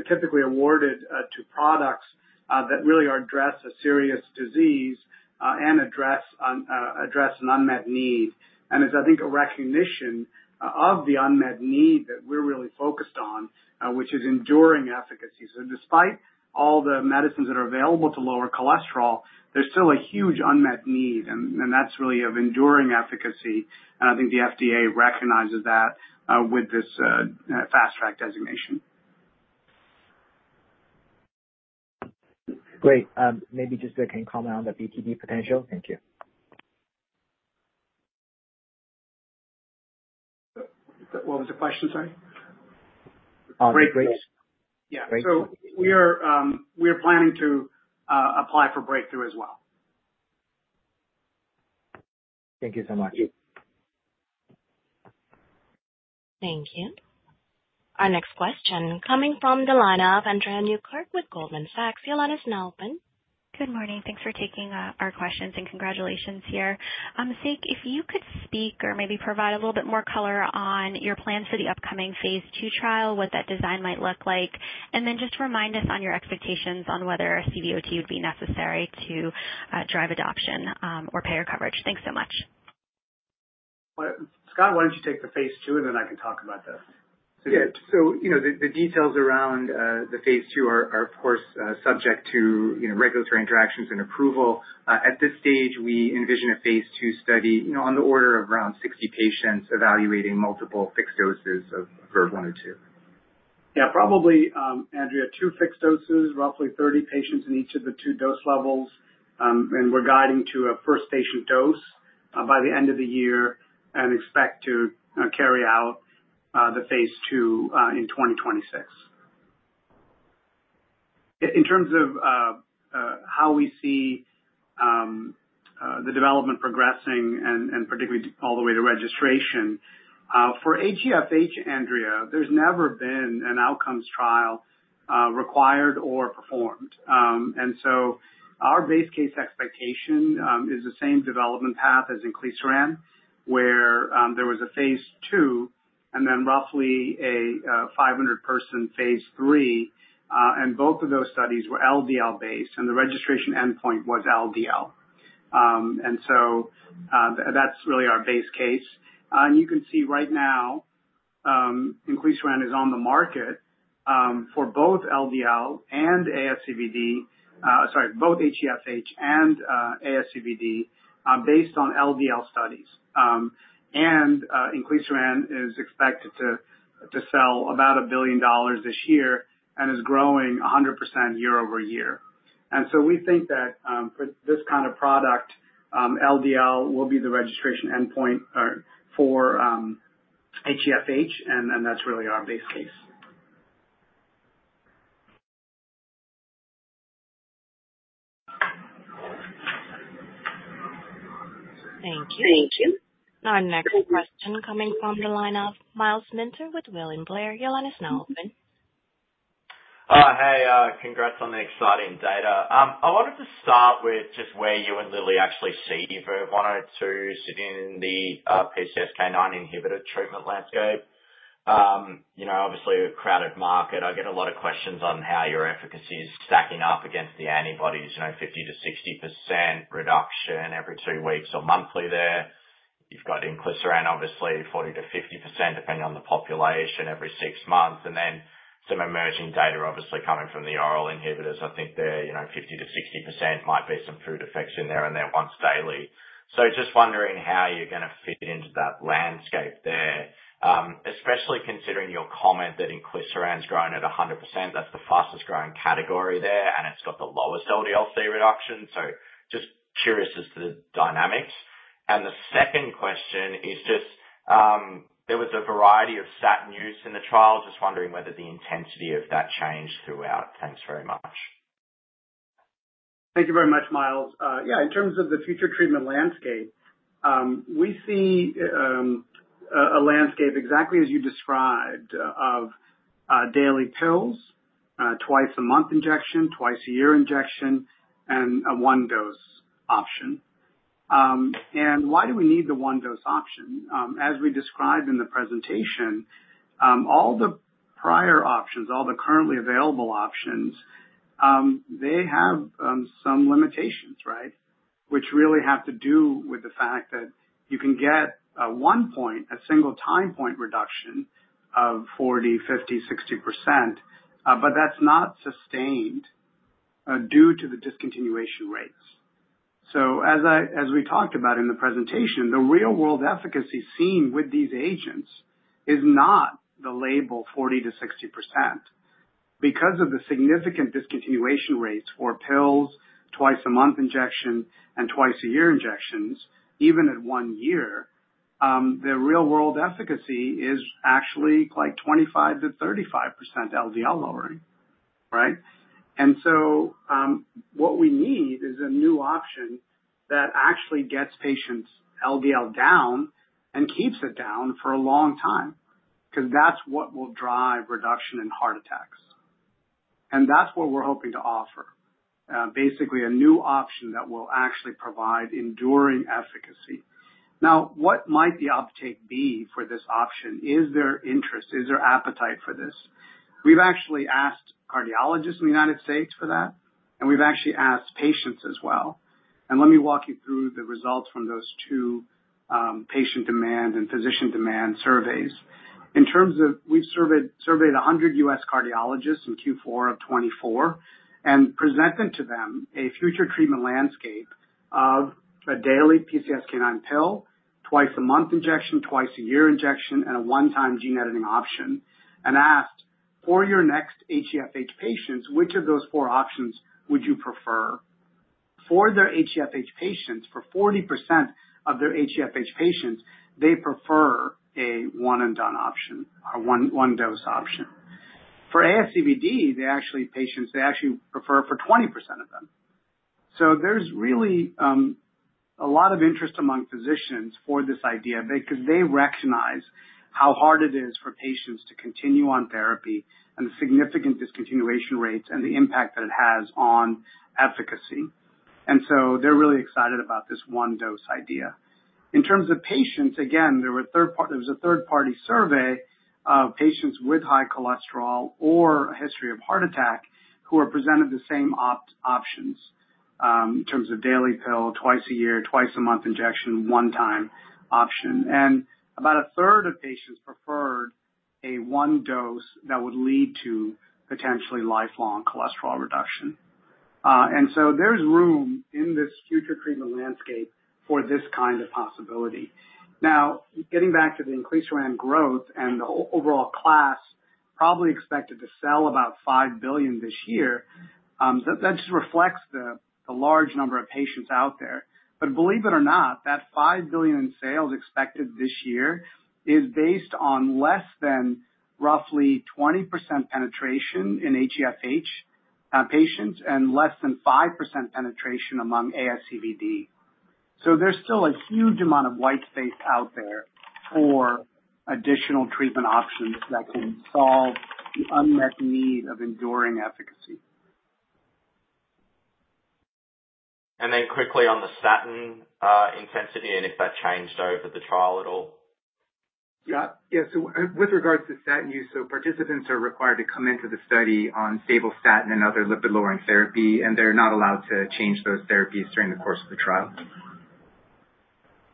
typically awarded to products that really address a serious disease and address an unmet need. I think it's a recognition of the unmet need that we're really focused on, which is enduring efficacy. Despite all the medicines that are available to lower cholesterol, there's still a huge unmet need. That's really of enduring efficacy. I think the FDA recognizes that with this FastTrack designation. Great. Maybe just a quick comment on the PCSK9 potential. Thank you. What was the question? Sorry. Breakthrough. Yeah. We are planning to apply for Breakthrough as well. Thank you so much. Thank you. Our next question coming from the line of Andrea Newkirk with Goldman Sachs. The line is now open. Good morning. Thanks for taking our questions, and congratulations here. Sek, if you could speak or maybe provide a little bit more color on your plans for the upcoming phase II trial, what that design might look like, and then just remind us on your expectations on whether CVOT would be necessary to drive adoption or payer coverage. Thanks so much. Scott, why don't you take the phase II, and then I can talk about that. Yeah. The details around the phase II are, of course, subject to regulatory interactions and approval. At this stage, we envision a phase II study on the order of around 60 patients evaluating multiple fixed doses of VERVE-102. Yeah. Probably, Andrea, two fixed doses, roughly 30 patients in each of the two dose levels. We're guiding to a first patient dose by the end of the year and expect to carry out the phase II in 2026. In terms of how we see the development progressing and particularly all the way to registration, for HeFH, Andrea, there's never been an outcomes trial required or performed. Our base case expectation is the same development path as inclisiran, where there was a phase II and then roughly a 500-person phase III. Both of those studies were LDL-based, and the registration endpoint was LDL. That's really our base case. You can see right now, inclisiran is on the market for both LDL and ASCVD—sorry, both HeFH and ASCVD—based on LDL studies. Inclisiran is expected to sell about $1 billion this year and is growing 100% year-over-year. We think that for this kind of product, LDL will be the registration endpoint for HeFH, and that's really our base case. Thank you. Our next question coming from the line of Myles Minter with William Blair. The line is now open. Hey. Congrats on the exciting data. I wanted to start with just where you and Lilly actually see VERVE-102 sitting in the PCSK9 inhibitor treatment landscape. Obviously, a crowded market. I get a lot of questions on how your efficacy is stacking up against the antibodies: 50%-60% reduction every two weeks or monthly there. You've got inclisiran, obviously, 40%-50%, depending on the population, every six months. There is some emerging data, obviously, coming from the oral inhibitors. I think there 50%-60% might be some food effects in there and then once daily. Just wondering how you're going to fit into that landscape there, especially considering your comment that inclisiran's growing at 100%. That's the fastest-growing category there, and it's got the lowest LDL-C reduction. Just curious as to the dynamics. The second question is just there was a variety of statin use in the trial. Just wondering whether the intensity of that changed throughout. Thanks very much. Thank you very much, Myles. Yeah. In terms of the future treatment landscape, we see a landscape exactly as you described of daily pills, twice-a-month injection, twice-a-year injection, and a one-dose option. Why do we need the one-dose option? As we described in the presentation, all the prior options, all the currently available options, they have some limitations, right, which really have to do with the fact that you can get one point, a single time point reduction of 40%, 50%, 60%, but that's not sustained due to the discontinuation rates. As we talked about in the presentation, the real-world efficacy seen with these agents is not the label 40%-60%. Because of the significant discontinuation rates for pills, twice-a-month injection, and twice-a-year injections, even at one year, the real-world efficacy is actually like 25%-35% LDL lowering, right? What we need is a new option that actually gets patients' LDL down and keeps it down for a long time because that's what will drive reduction in heart attacks. That's what we're hoping to offer, basically a new option that will actually provide enduring efficacy. Now, what might the uptake be for this option? Is there interest? Is there appetite for this? We've actually asked cardiologists in the United States for that, and we've actually asked patients as well. Let me walk you through the results from those two patient demand and physician demand surveys. In terms of we've surveyed 100 U.S. cardiologists in Q4 of 2024 and presented to them a future treatment landscape of a daily PCSK9 pill, twice-a-month injection, twice-a-year injection, and a one-time gene editing option, and asked, "For your next HeFH patients, which of those four options would you prefer?" For their HeFH patients, for 40% of their HeFH patients, they prefer a one-and-done option or one-dose option. For ASCVD, they actually prefer for 20% of them. There is really a lot of interest among physicians for this idea because they recognize how hard it is for patients to continue on therapy and the significant discontinuation rates and the impact that it has on efficacy. They are really excited about this one-dose idea. In terms of patients, again, there was a third-party survey of patients with high cholesterol or a history of heart attack who are presented the same options in terms of daily pill, twice-a-year, twice-a-month injection, one-time option. About a third of patients preferred a one-dose that would lead to potentially lifelong cholesterol reduction. There is room in this future treatment landscape for this kind of possibility. Now, getting back to the inclisiran growth and the overall class, probably expected to sell about $5 billion this year, that just reflects the large number of patients out there. Believe it or not, that $5 billion in sales expected this year is based on less than roughly 20% penetration in HeFH patients and less than 5% penetration among ASCVD. There's still a huge amount of white space out there for additional treatment options that can solve the unmet need of enduring efficacy. Quickly on the statin intensity and if that changed over the trial at all. Yeah. Yeah. With regards to statin use, participants are required to come into the study on stable statin and other lipid-lowering therapy, and they're not allowed to change those therapies during the course of the trial.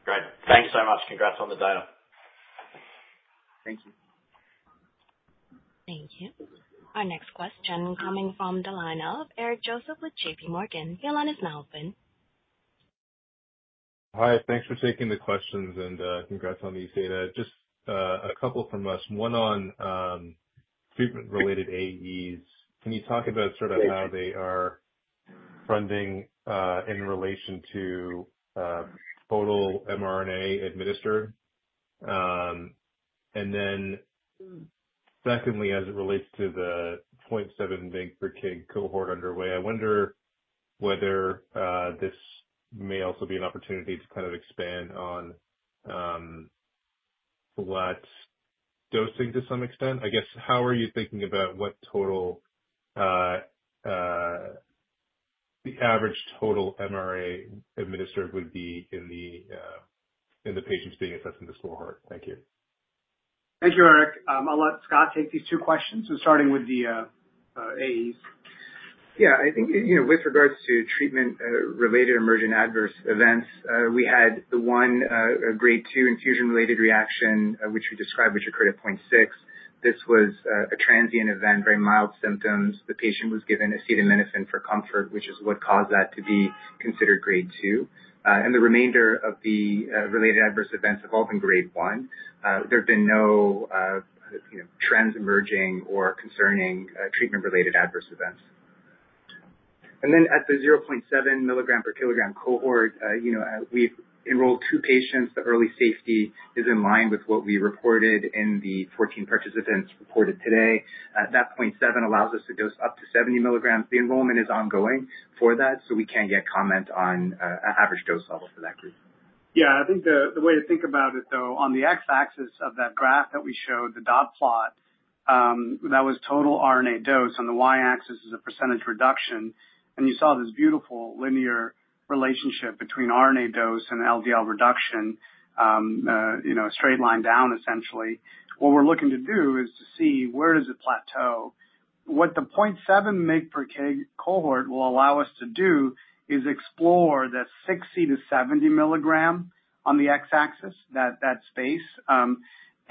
Great. Thanks so much. Congrats on the data. Thank you. Thank you. Our next question coming from the line of Eric Joseph with JPMorgan. The line is now open. Hi. Thanks for taking the questions, and congrats on these data. Just a couple from us. One on treatment-related AEs. Can you talk about sort of how they are functioning in relation to total mRNA administered? Then secondly, as it relates to the 0.7 mg/kg cohort underway, I wonder whether this may also be an opportunity to kind of expand on blood dosing to some extent. I guess, how are you thinking about what the average total mRNA administered would be in the patients being assessed in this cohort? Thank you. Thank you, Eric. I'll let Scott take these two questions. I'm starting with the AEs. Yeah. I think with regards to treatment-related emergent adverse events, we had the one grade 2 infusion-related reaction, which we described, which occurred at 0.6. This was a transient event, very mild symptoms. The patient was given acetaminophen for comfort, which is what caused that to be considered grade 2. The remainder of the related adverse events have all been grade 1. There have been no trends emerging or concerning treatment-related adverse events. At the 0.7 mg/kg cohort, we've enrolled two patients. The early safety is in line with what we reported in the 14 participants reported today. That 0.7 allows us to dose up to 70 mg. The enrollment is ongoing for that, so we can't yet comment on an average dose level for that group. Yeah. I think the way to think about it, though, on the x-axis of that graph that we showed, the dot plot, that was total RNA dose. On the y-axis is a % reduction. You saw this beautiful linear relationship between RNA dose and LDL reduction, a straight line down, essentially. What we're looking to do is to see where does it plateau. What the 0.7 mg/kg cohort will allow us to do is explore the 60 mg-70 mg on the x-axis, that space. That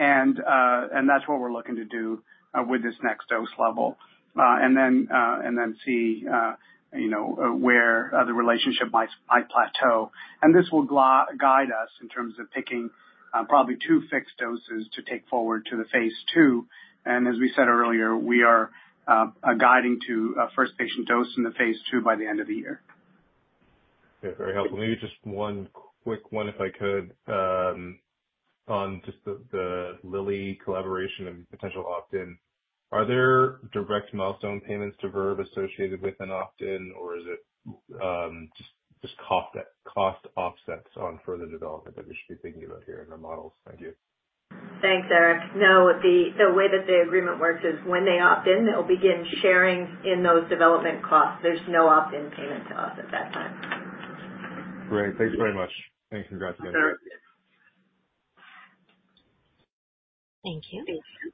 is what we're looking to do with this next dose level and then see where the relationship might plateau. This will guide us in terms of picking probably two fixed doses to take forward to the phase II. As we said earlier, we are guiding to a first patient dose in the phase II by the end of the year. Okay. Very helpful. Maybe just one quick one, if I could, on just the Lilly collaboration and potential opt-in. Are there direct milestone payments to Verve associated with an opt-in, or is it just cost offsets on further development that we should be thinking about here in our models? Thank you. Thanks, Eric. No. The way that the agreement works is when they opt in, they'll begin sharing in those development costs. There's no opt-in payment to us at that time. Great. Thanks very much. Congrats again. Thank you. Thank you.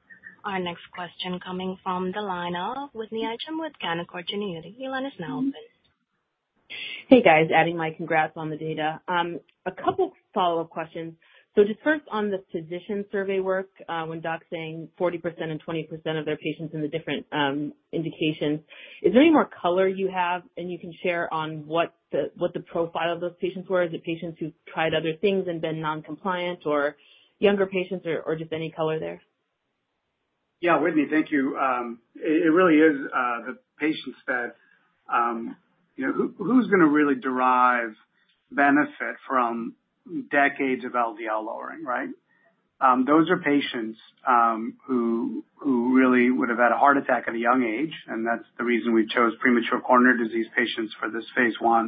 Our next question coming from the line of Whitney Ijem with Canaccord Genuity. The line is now open. Hey, guys. Adding my congrats on the data. A couple of follow-up questions. Just first on the physician survey work when docs saying 40% and 20% of their patients in the different indications, is there any more color you have? You can share on what the profile of those patients were. Is it patients who've tried other things and been non-compliant or younger patients or just any color there? Yeah. Whitney, thank you. It really is the patients that who's going to really derive benefit from decades of LDL lowering, right? Those are patients who really would have had a heart attack at a young age, and that's the reason we chose premature coronary disease patients for this phase I.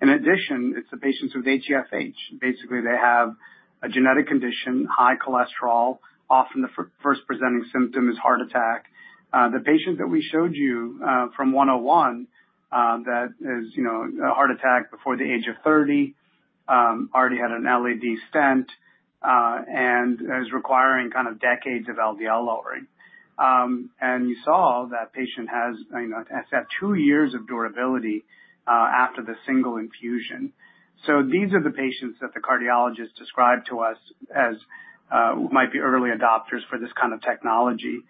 In addition, it's the patients with HeFH. Basically, they have a genetic condition, high cholesterol. Often the first presenting symptom is heart attack. The patient that we showed you from 101 that has a heart attack before the age of 30, already had an LAD stent, and is requiring kind of decades of LDL lowering. You saw that patient has had two years of durability after the single infusion. These are the patients that the cardiologists described to us as might be early adopters for this kind of technology.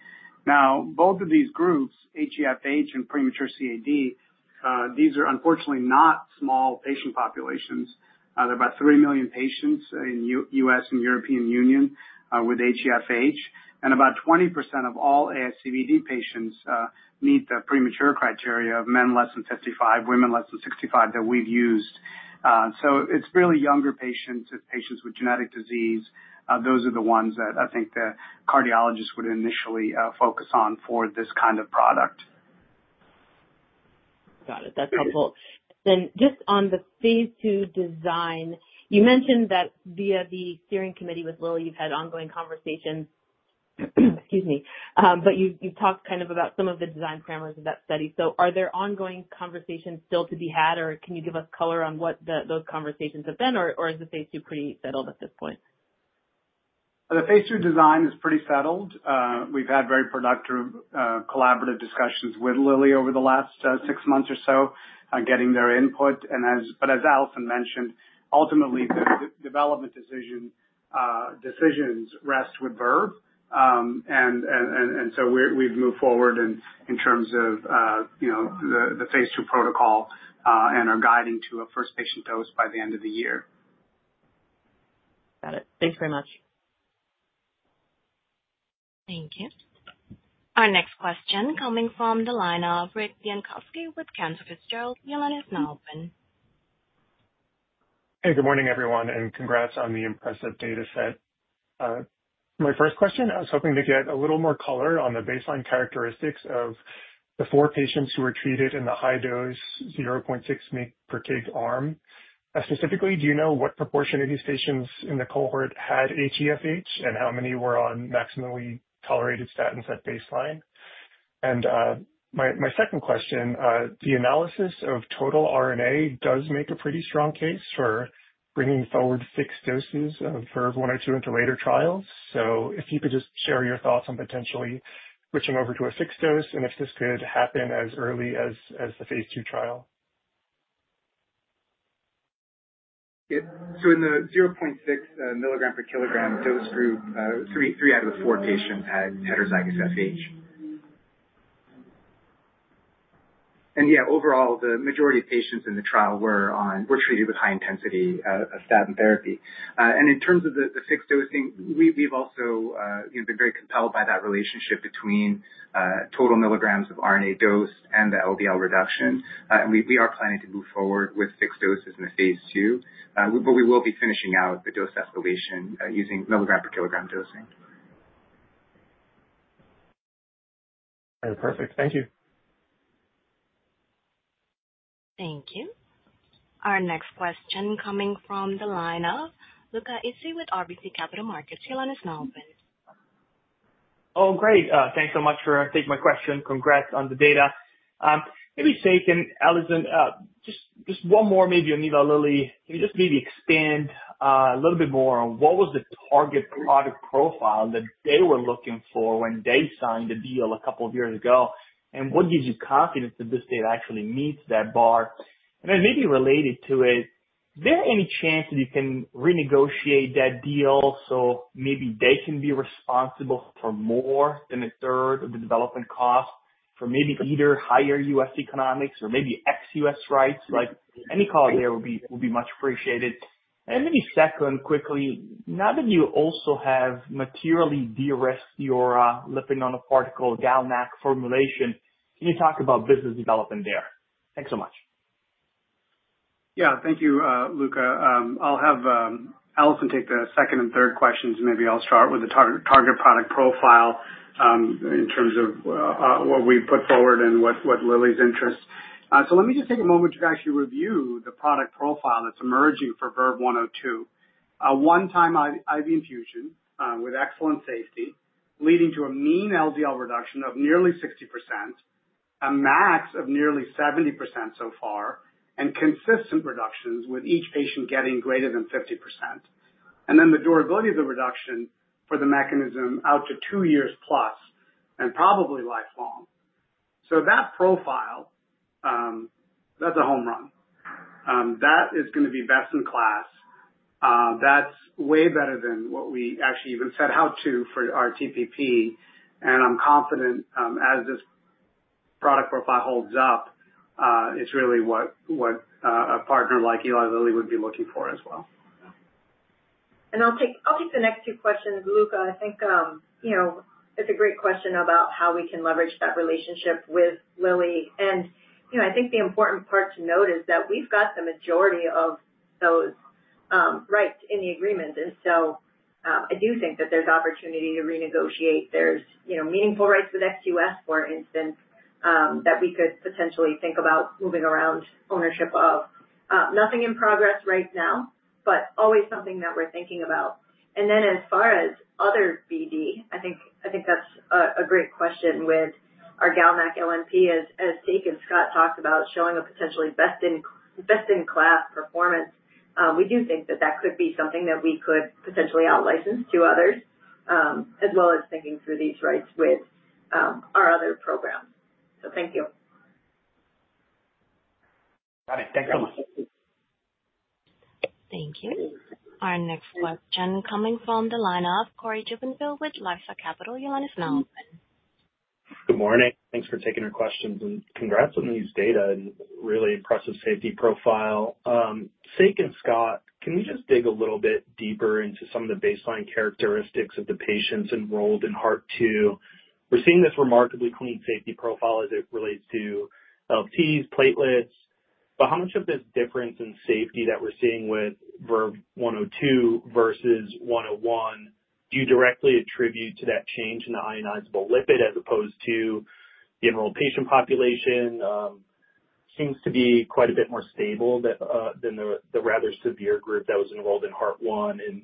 Now, both of these groups, HeFH and premature CAD, these are unfortunately not small patient populations. There are about 3 million patients in the U.S. and European Union with HeFH. About 20% of all ASCVD patients meet the premature criteria of men less than 55, women less than 65 that we've used. It is really younger patients. It is patients with genetic disease. Those are the ones that I think the cardiologists would initially focus on for this kind of product. Got it. That's helpful. Then just on the phase II design, you mentioned that via the steering committee with Lilly, you've had ongoing conversations. Excuse me. You've talked kind of about some of the design parameters of that study. Are there ongoing conversations still to be had, or can you give us color on what those conversations have been, or is the phase II pretty settled at this point? The phase II design is pretty settled. We've had very productive collaborative discussions with Lilly over the last six months or so, getting their input. As Alison mentioned, ultimately, the development decisions rest with Verve. We've moved forward in terms of the phase II protocol and are guiding to a first patient dose by the end of the year. Got it. Thanks very much. Thank you. Our next question coming from the line of Rick Bienkowski with Cantor Fitzgerald. The line is now open. Hey. Good morning, everyone. Congrats on the impressive dataset. My first question, I was hoping to get a little more color on the baseline characteristics of the four patients who were treated in the high-dose 0.6 mg/kg arm. Specifically, do you know what proportion of these patients in the cohort had HeFH and how many were on maximally tolerated statins at baseline? My second question, the analysis of total RNA does make a pretty strong case for bringing forward fixed doses of VERVE-102 into later trials. If you could just share your thoughts on potentially switching over to a fixed dose and if this could happen as early as the phase II trial. In the 0.6 mg/kg dose group, three out of the four patients had heterozygous FH. Overall, the majority of patients in the trial were treated with high-intensity statin therapy. In terms of the fixed dosing, we have also been very compelled by that relationship between total milligrams of RNA dose and the LDL reduction. We are planning to move forward with fixed doses in the phase II, but we will be finishing out the dose escalation using mg/kg dosing. Perfect. Thank you. Thank you. Our next question coming from the line of Luca Issi with RBC Capital Markets. The line is now open. Oh, great. Thanks so much for taking my question. Congrats on the data. Maybe Sek and Alison, just one more, maybe, and leave out Lilly. Can you just maybe expand a little bit more on what was the target product profile that they were looking for when they signed the deal a couple of years ago? What gives you confidence that this data actually meets that bar? Maybe related to it, is there any chance that you can renegotiate that deal so maybe they can be responsible for more than a third of the development cost for maybe either higher U.S. economics or maybe ex-U.S. rights? Any call there would be much appreciated. Maybe second, quickly, now that you also have materially de-risked your lipid-nanoparticle GalNAc formulation, can you talk about business development there? Thanks so much. Yeah. Thank you, Luca. I'll have Alison take the second and third questions. Maybe I'll start with the target product profile in terms of what we put forward and what Lilly's interest. Let me just take a moment to actually review the product profile that's emerging for VERVE-102. One-time IV infusion with excellent safety leading to a mean LDL reduction of nearly 60%, a max of nearly 70% so far, and consistent reductions with each patient getting greater than 50%. The durability of the reduction for the mechanism out to two years plus and probably lifelong. That profile, that's a home run. That is going to be best in class. That's way better than what we actually even set out to for our TPP. I'm confident as this product profile holds up, it's really what a partner like Eli Lilly would be looking for as well. I'll take the next two questions, Luca. I think it's a great question about how we can leverage that relationship with Lilly. I think the important part to note is that we've got the majority of those rights in the agreement. I do think that there's opportunity to renegotiate. There's meaningful rights with ex-U.S., for instance, that we could potentially think about moving around ownership of. Nothing in progress right now, but always something that we're thinking about. As far as other BD, I think that's a great question with our GalNAc-LNP, as Sek and Scott talked about, showing a potentially best-in-class performance. We do think that that could be something that we could potentially out-license to others, as well as thinking through these rights with our other program. Thank you. Got it. Thanks so much. Thank you. Our next question coming from the line of Cory Jubinville with LifeSci Capital. The line is now open. Good morning. Thanks for taking our questions. And congrats on these data and really impressive safety profile. Sek and Scott, can we just dig a little bit deeper into some of the baseline characteristics of the patients enrolled in Heart-2? We're seeing this remarkably clean safety profile as it relates to LFTs, platelets. But how much of this difference in safety that we're seeing with VERVE-102 versus VERVE-101, do you directly attribute to that change in the ionizable lipid as opposed to the enrolled patient population? Seems to be quite a bit more stable than the rather severe group that was enrolled in Heart-1. And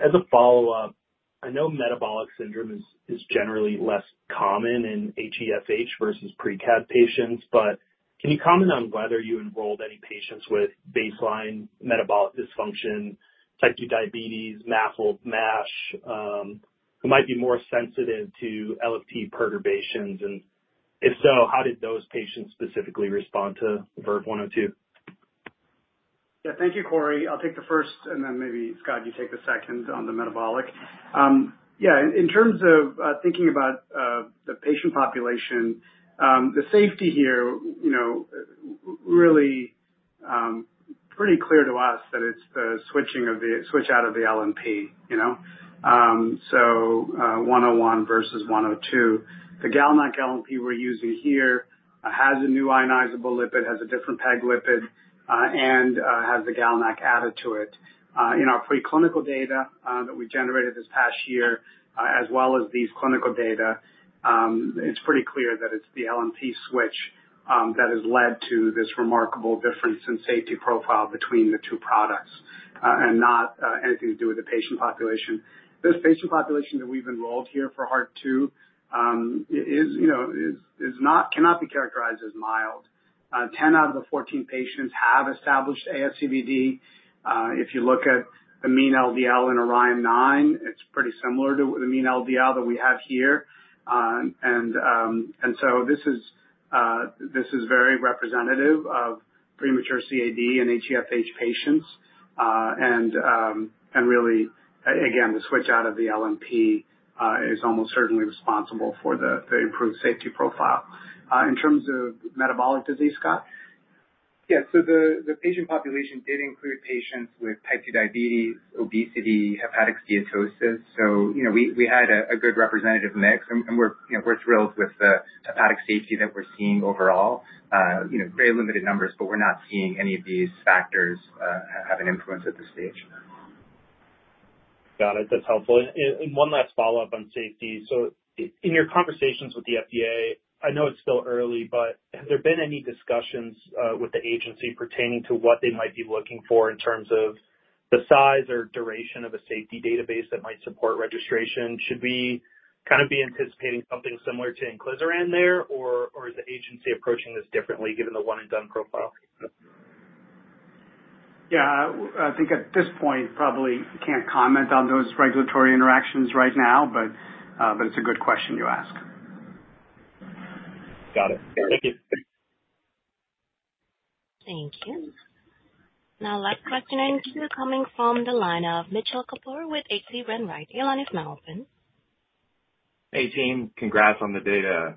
as a follow-up, I know metabolic syndrome is generally less common in HeFH versus premature CAD patients. But can you comment on whether you enrolled any patients with baseline metabolic dysfunction, type 2 diabetes, MASH, who might be more sensitive to LFT perturbations? If so, how did those patients specifically respond to VERVE-102? Yeah. Thank you, Cory. I'll take the first, and then maybe Scott, you take the second on the metabolic. Yeah. In terms of thinking about the patient population, the safety here really pretty clear to us that it's the switch out of the LNP, so 101 versus 102. The GalNAc-LNP we're using here has a new ionizable lipid, has a different PEG lipid, and has the GalNAc added to it. In our preclinical data that we generated this past year, as well as these clinical data, it's pretty clear that it's the LNP switch that has led to this remarkable difference in safety profile between the two products and not anything to do with the patient population. This patient population that we've enrolled here for Heart-2 cannot be characterized as mild. 10 out of the 14 patients have established ASCVD. If you look at the mean LDL in ORION-9, it's pretty similar to the mean LDL that we have here. This is very representative of premature CAD and HeFH patients. Really, again, the switch out of the LNP is almost certainly responsible for the improved safety profile. In terms of metabolic disease, Scott? Yeah. The patient population did include patients with type 2 diabetes, obesity, hepatic steatosis. We had a good representative mix. We're thrilled with the hepatic safety that we're seeing overall. Very limited numbers, but we're not seeing any of these factors have an influence at this stage. Got it. That's helpful. One last follow-up on safety. In your conversations with the FDA, I know it's still early, but have there been any discussions with the agency pertaining to what they might be looking for in terms of the size or duration of a safety database that might support registration? Should we kind of be anticipating something similar to inclisiran there, or is the agency approaching this differently given the one-and-done profile? Yeah. I think at this point, probably can't comment on those regulatory interactions right now, but it's a good question you ask. Got it. Thank you. Thank you. Now, last question and cue coming from the line of Mitchell Kapoor with H.C. Wainwright. The line is now open. Hey, team. Congrats on the data.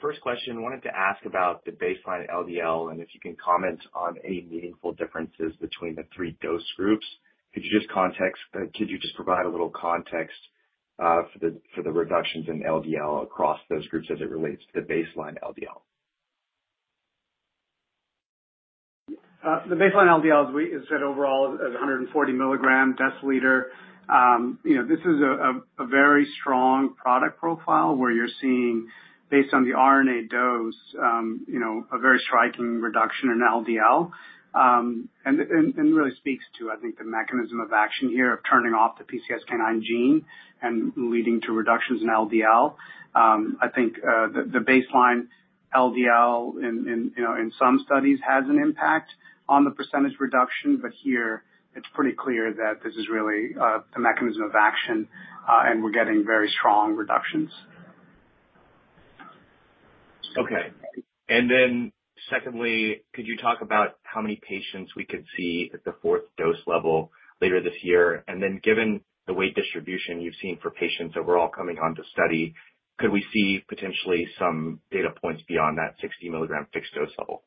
First question, wanted to ask about the baseline LDL and if you can comment on any meaningful differences between the three dose groups. Could you just provide a little context for the reductions in LDL across those groups as it relates to the baseline LDL? The baseline LDL is set overall as 140 mg/dL. This is a very strong product profile where you're seeing, based on the RNA dose, a very striking reduction in LDL. It really speaks to, I think, the mechanism of action here of turning off the PCSK9 gene and leading to reductions in LDL. I think the baseline LDL in some studies has an impact on the % reduction, but here, it's pretty clear that this is really the mechanism of action, and we're getting very strong reductions. Okay. Could you talk about how many patients we could see at the fourth dose level later this year? Given the weight distribution you've seen for patients overall coming on to study, could we see potentially some data points beyond that 60 mg fixed dose level?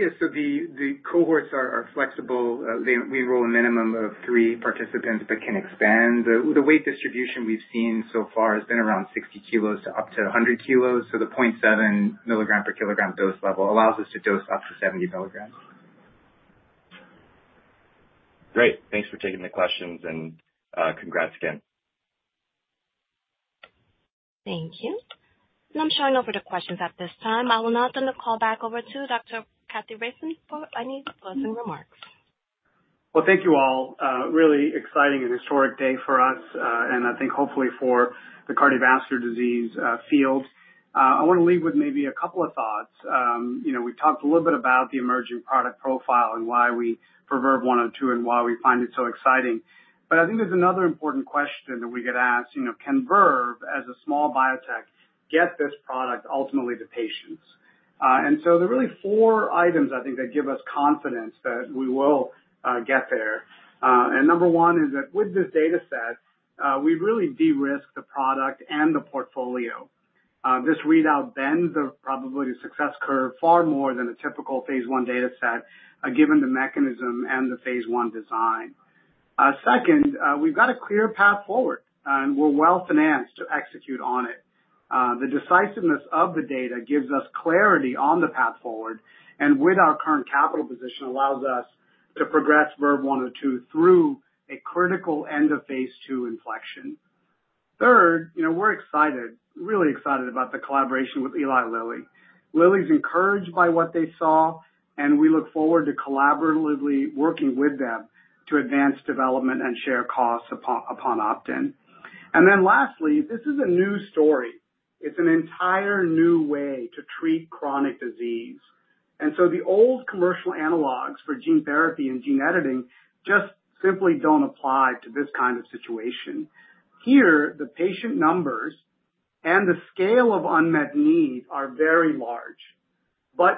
Yeah. The cohorts are flexible. We enroll a minimum of three participants but can expand. The weight distribution we've seen so far has been around 60 kg to up to 100 kg. The 0.7 mg/kg dose level allows us to dose up to 70 mg. Great. Thanks for taking the questions, and congrats again. Thank you. I'm showing no further questions at this time. I will now turn the call back over to Dr. Kathiresan for any closing remarks. Thank you all. Really exciting and historic day for us, and I think hopefully for the cardiovascular disease field. I want to leave with maybe a couple of thoughts. We talked a little bit about the emerging product profile and why we preferred 102 and why we find it so exciting. I think there's another important question that we get asked. Can Verve, as a small biotech, get this product ultimately to patients? There are really four items, I think, that give us confidence that we will get there. Number one is that with this dataset, we really de-risk the product and the portfolio. This readout bends the probability of success curve far more than a typical phase I dataset given the mechanism and the phase I design. Second, we've got a clear path forward, and we're well financed to execute on it. The decisiveness of the data gives us clarity on the path forward, and with our current capital position, allows us to progress VERVE-102 through a critical end of phase II inflection. Third, we're excited, really excited about the collaboration with Eli Lilly. Lilly's encouraged by what they saw, and we look forward to collaboratively working with them to advance development and share costs upon opt-in. Lastly, this is a new story. It's an entire new way to treat chronic disease. The old commercial analogs for gene therapy and gene editing just simply don't apply to this kind of situation. Here, the patient numbers and the scale of unmet need are very large.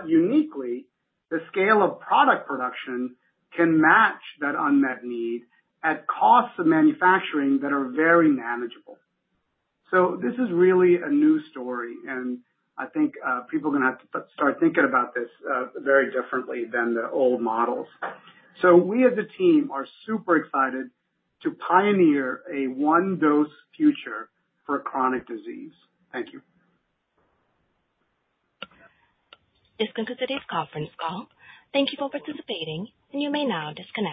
Uniquely, the scale of product production can match that unmet need at costs of manufacturing that are very manageable. This is really a new story, and I think people are going to have to start thinking about this very differently than the old models. We as a team are super excited to pioneer a one-dose future for chronic disease. Thank you. This concludes today's conference call. Thank you for participating, and you may now disconnect.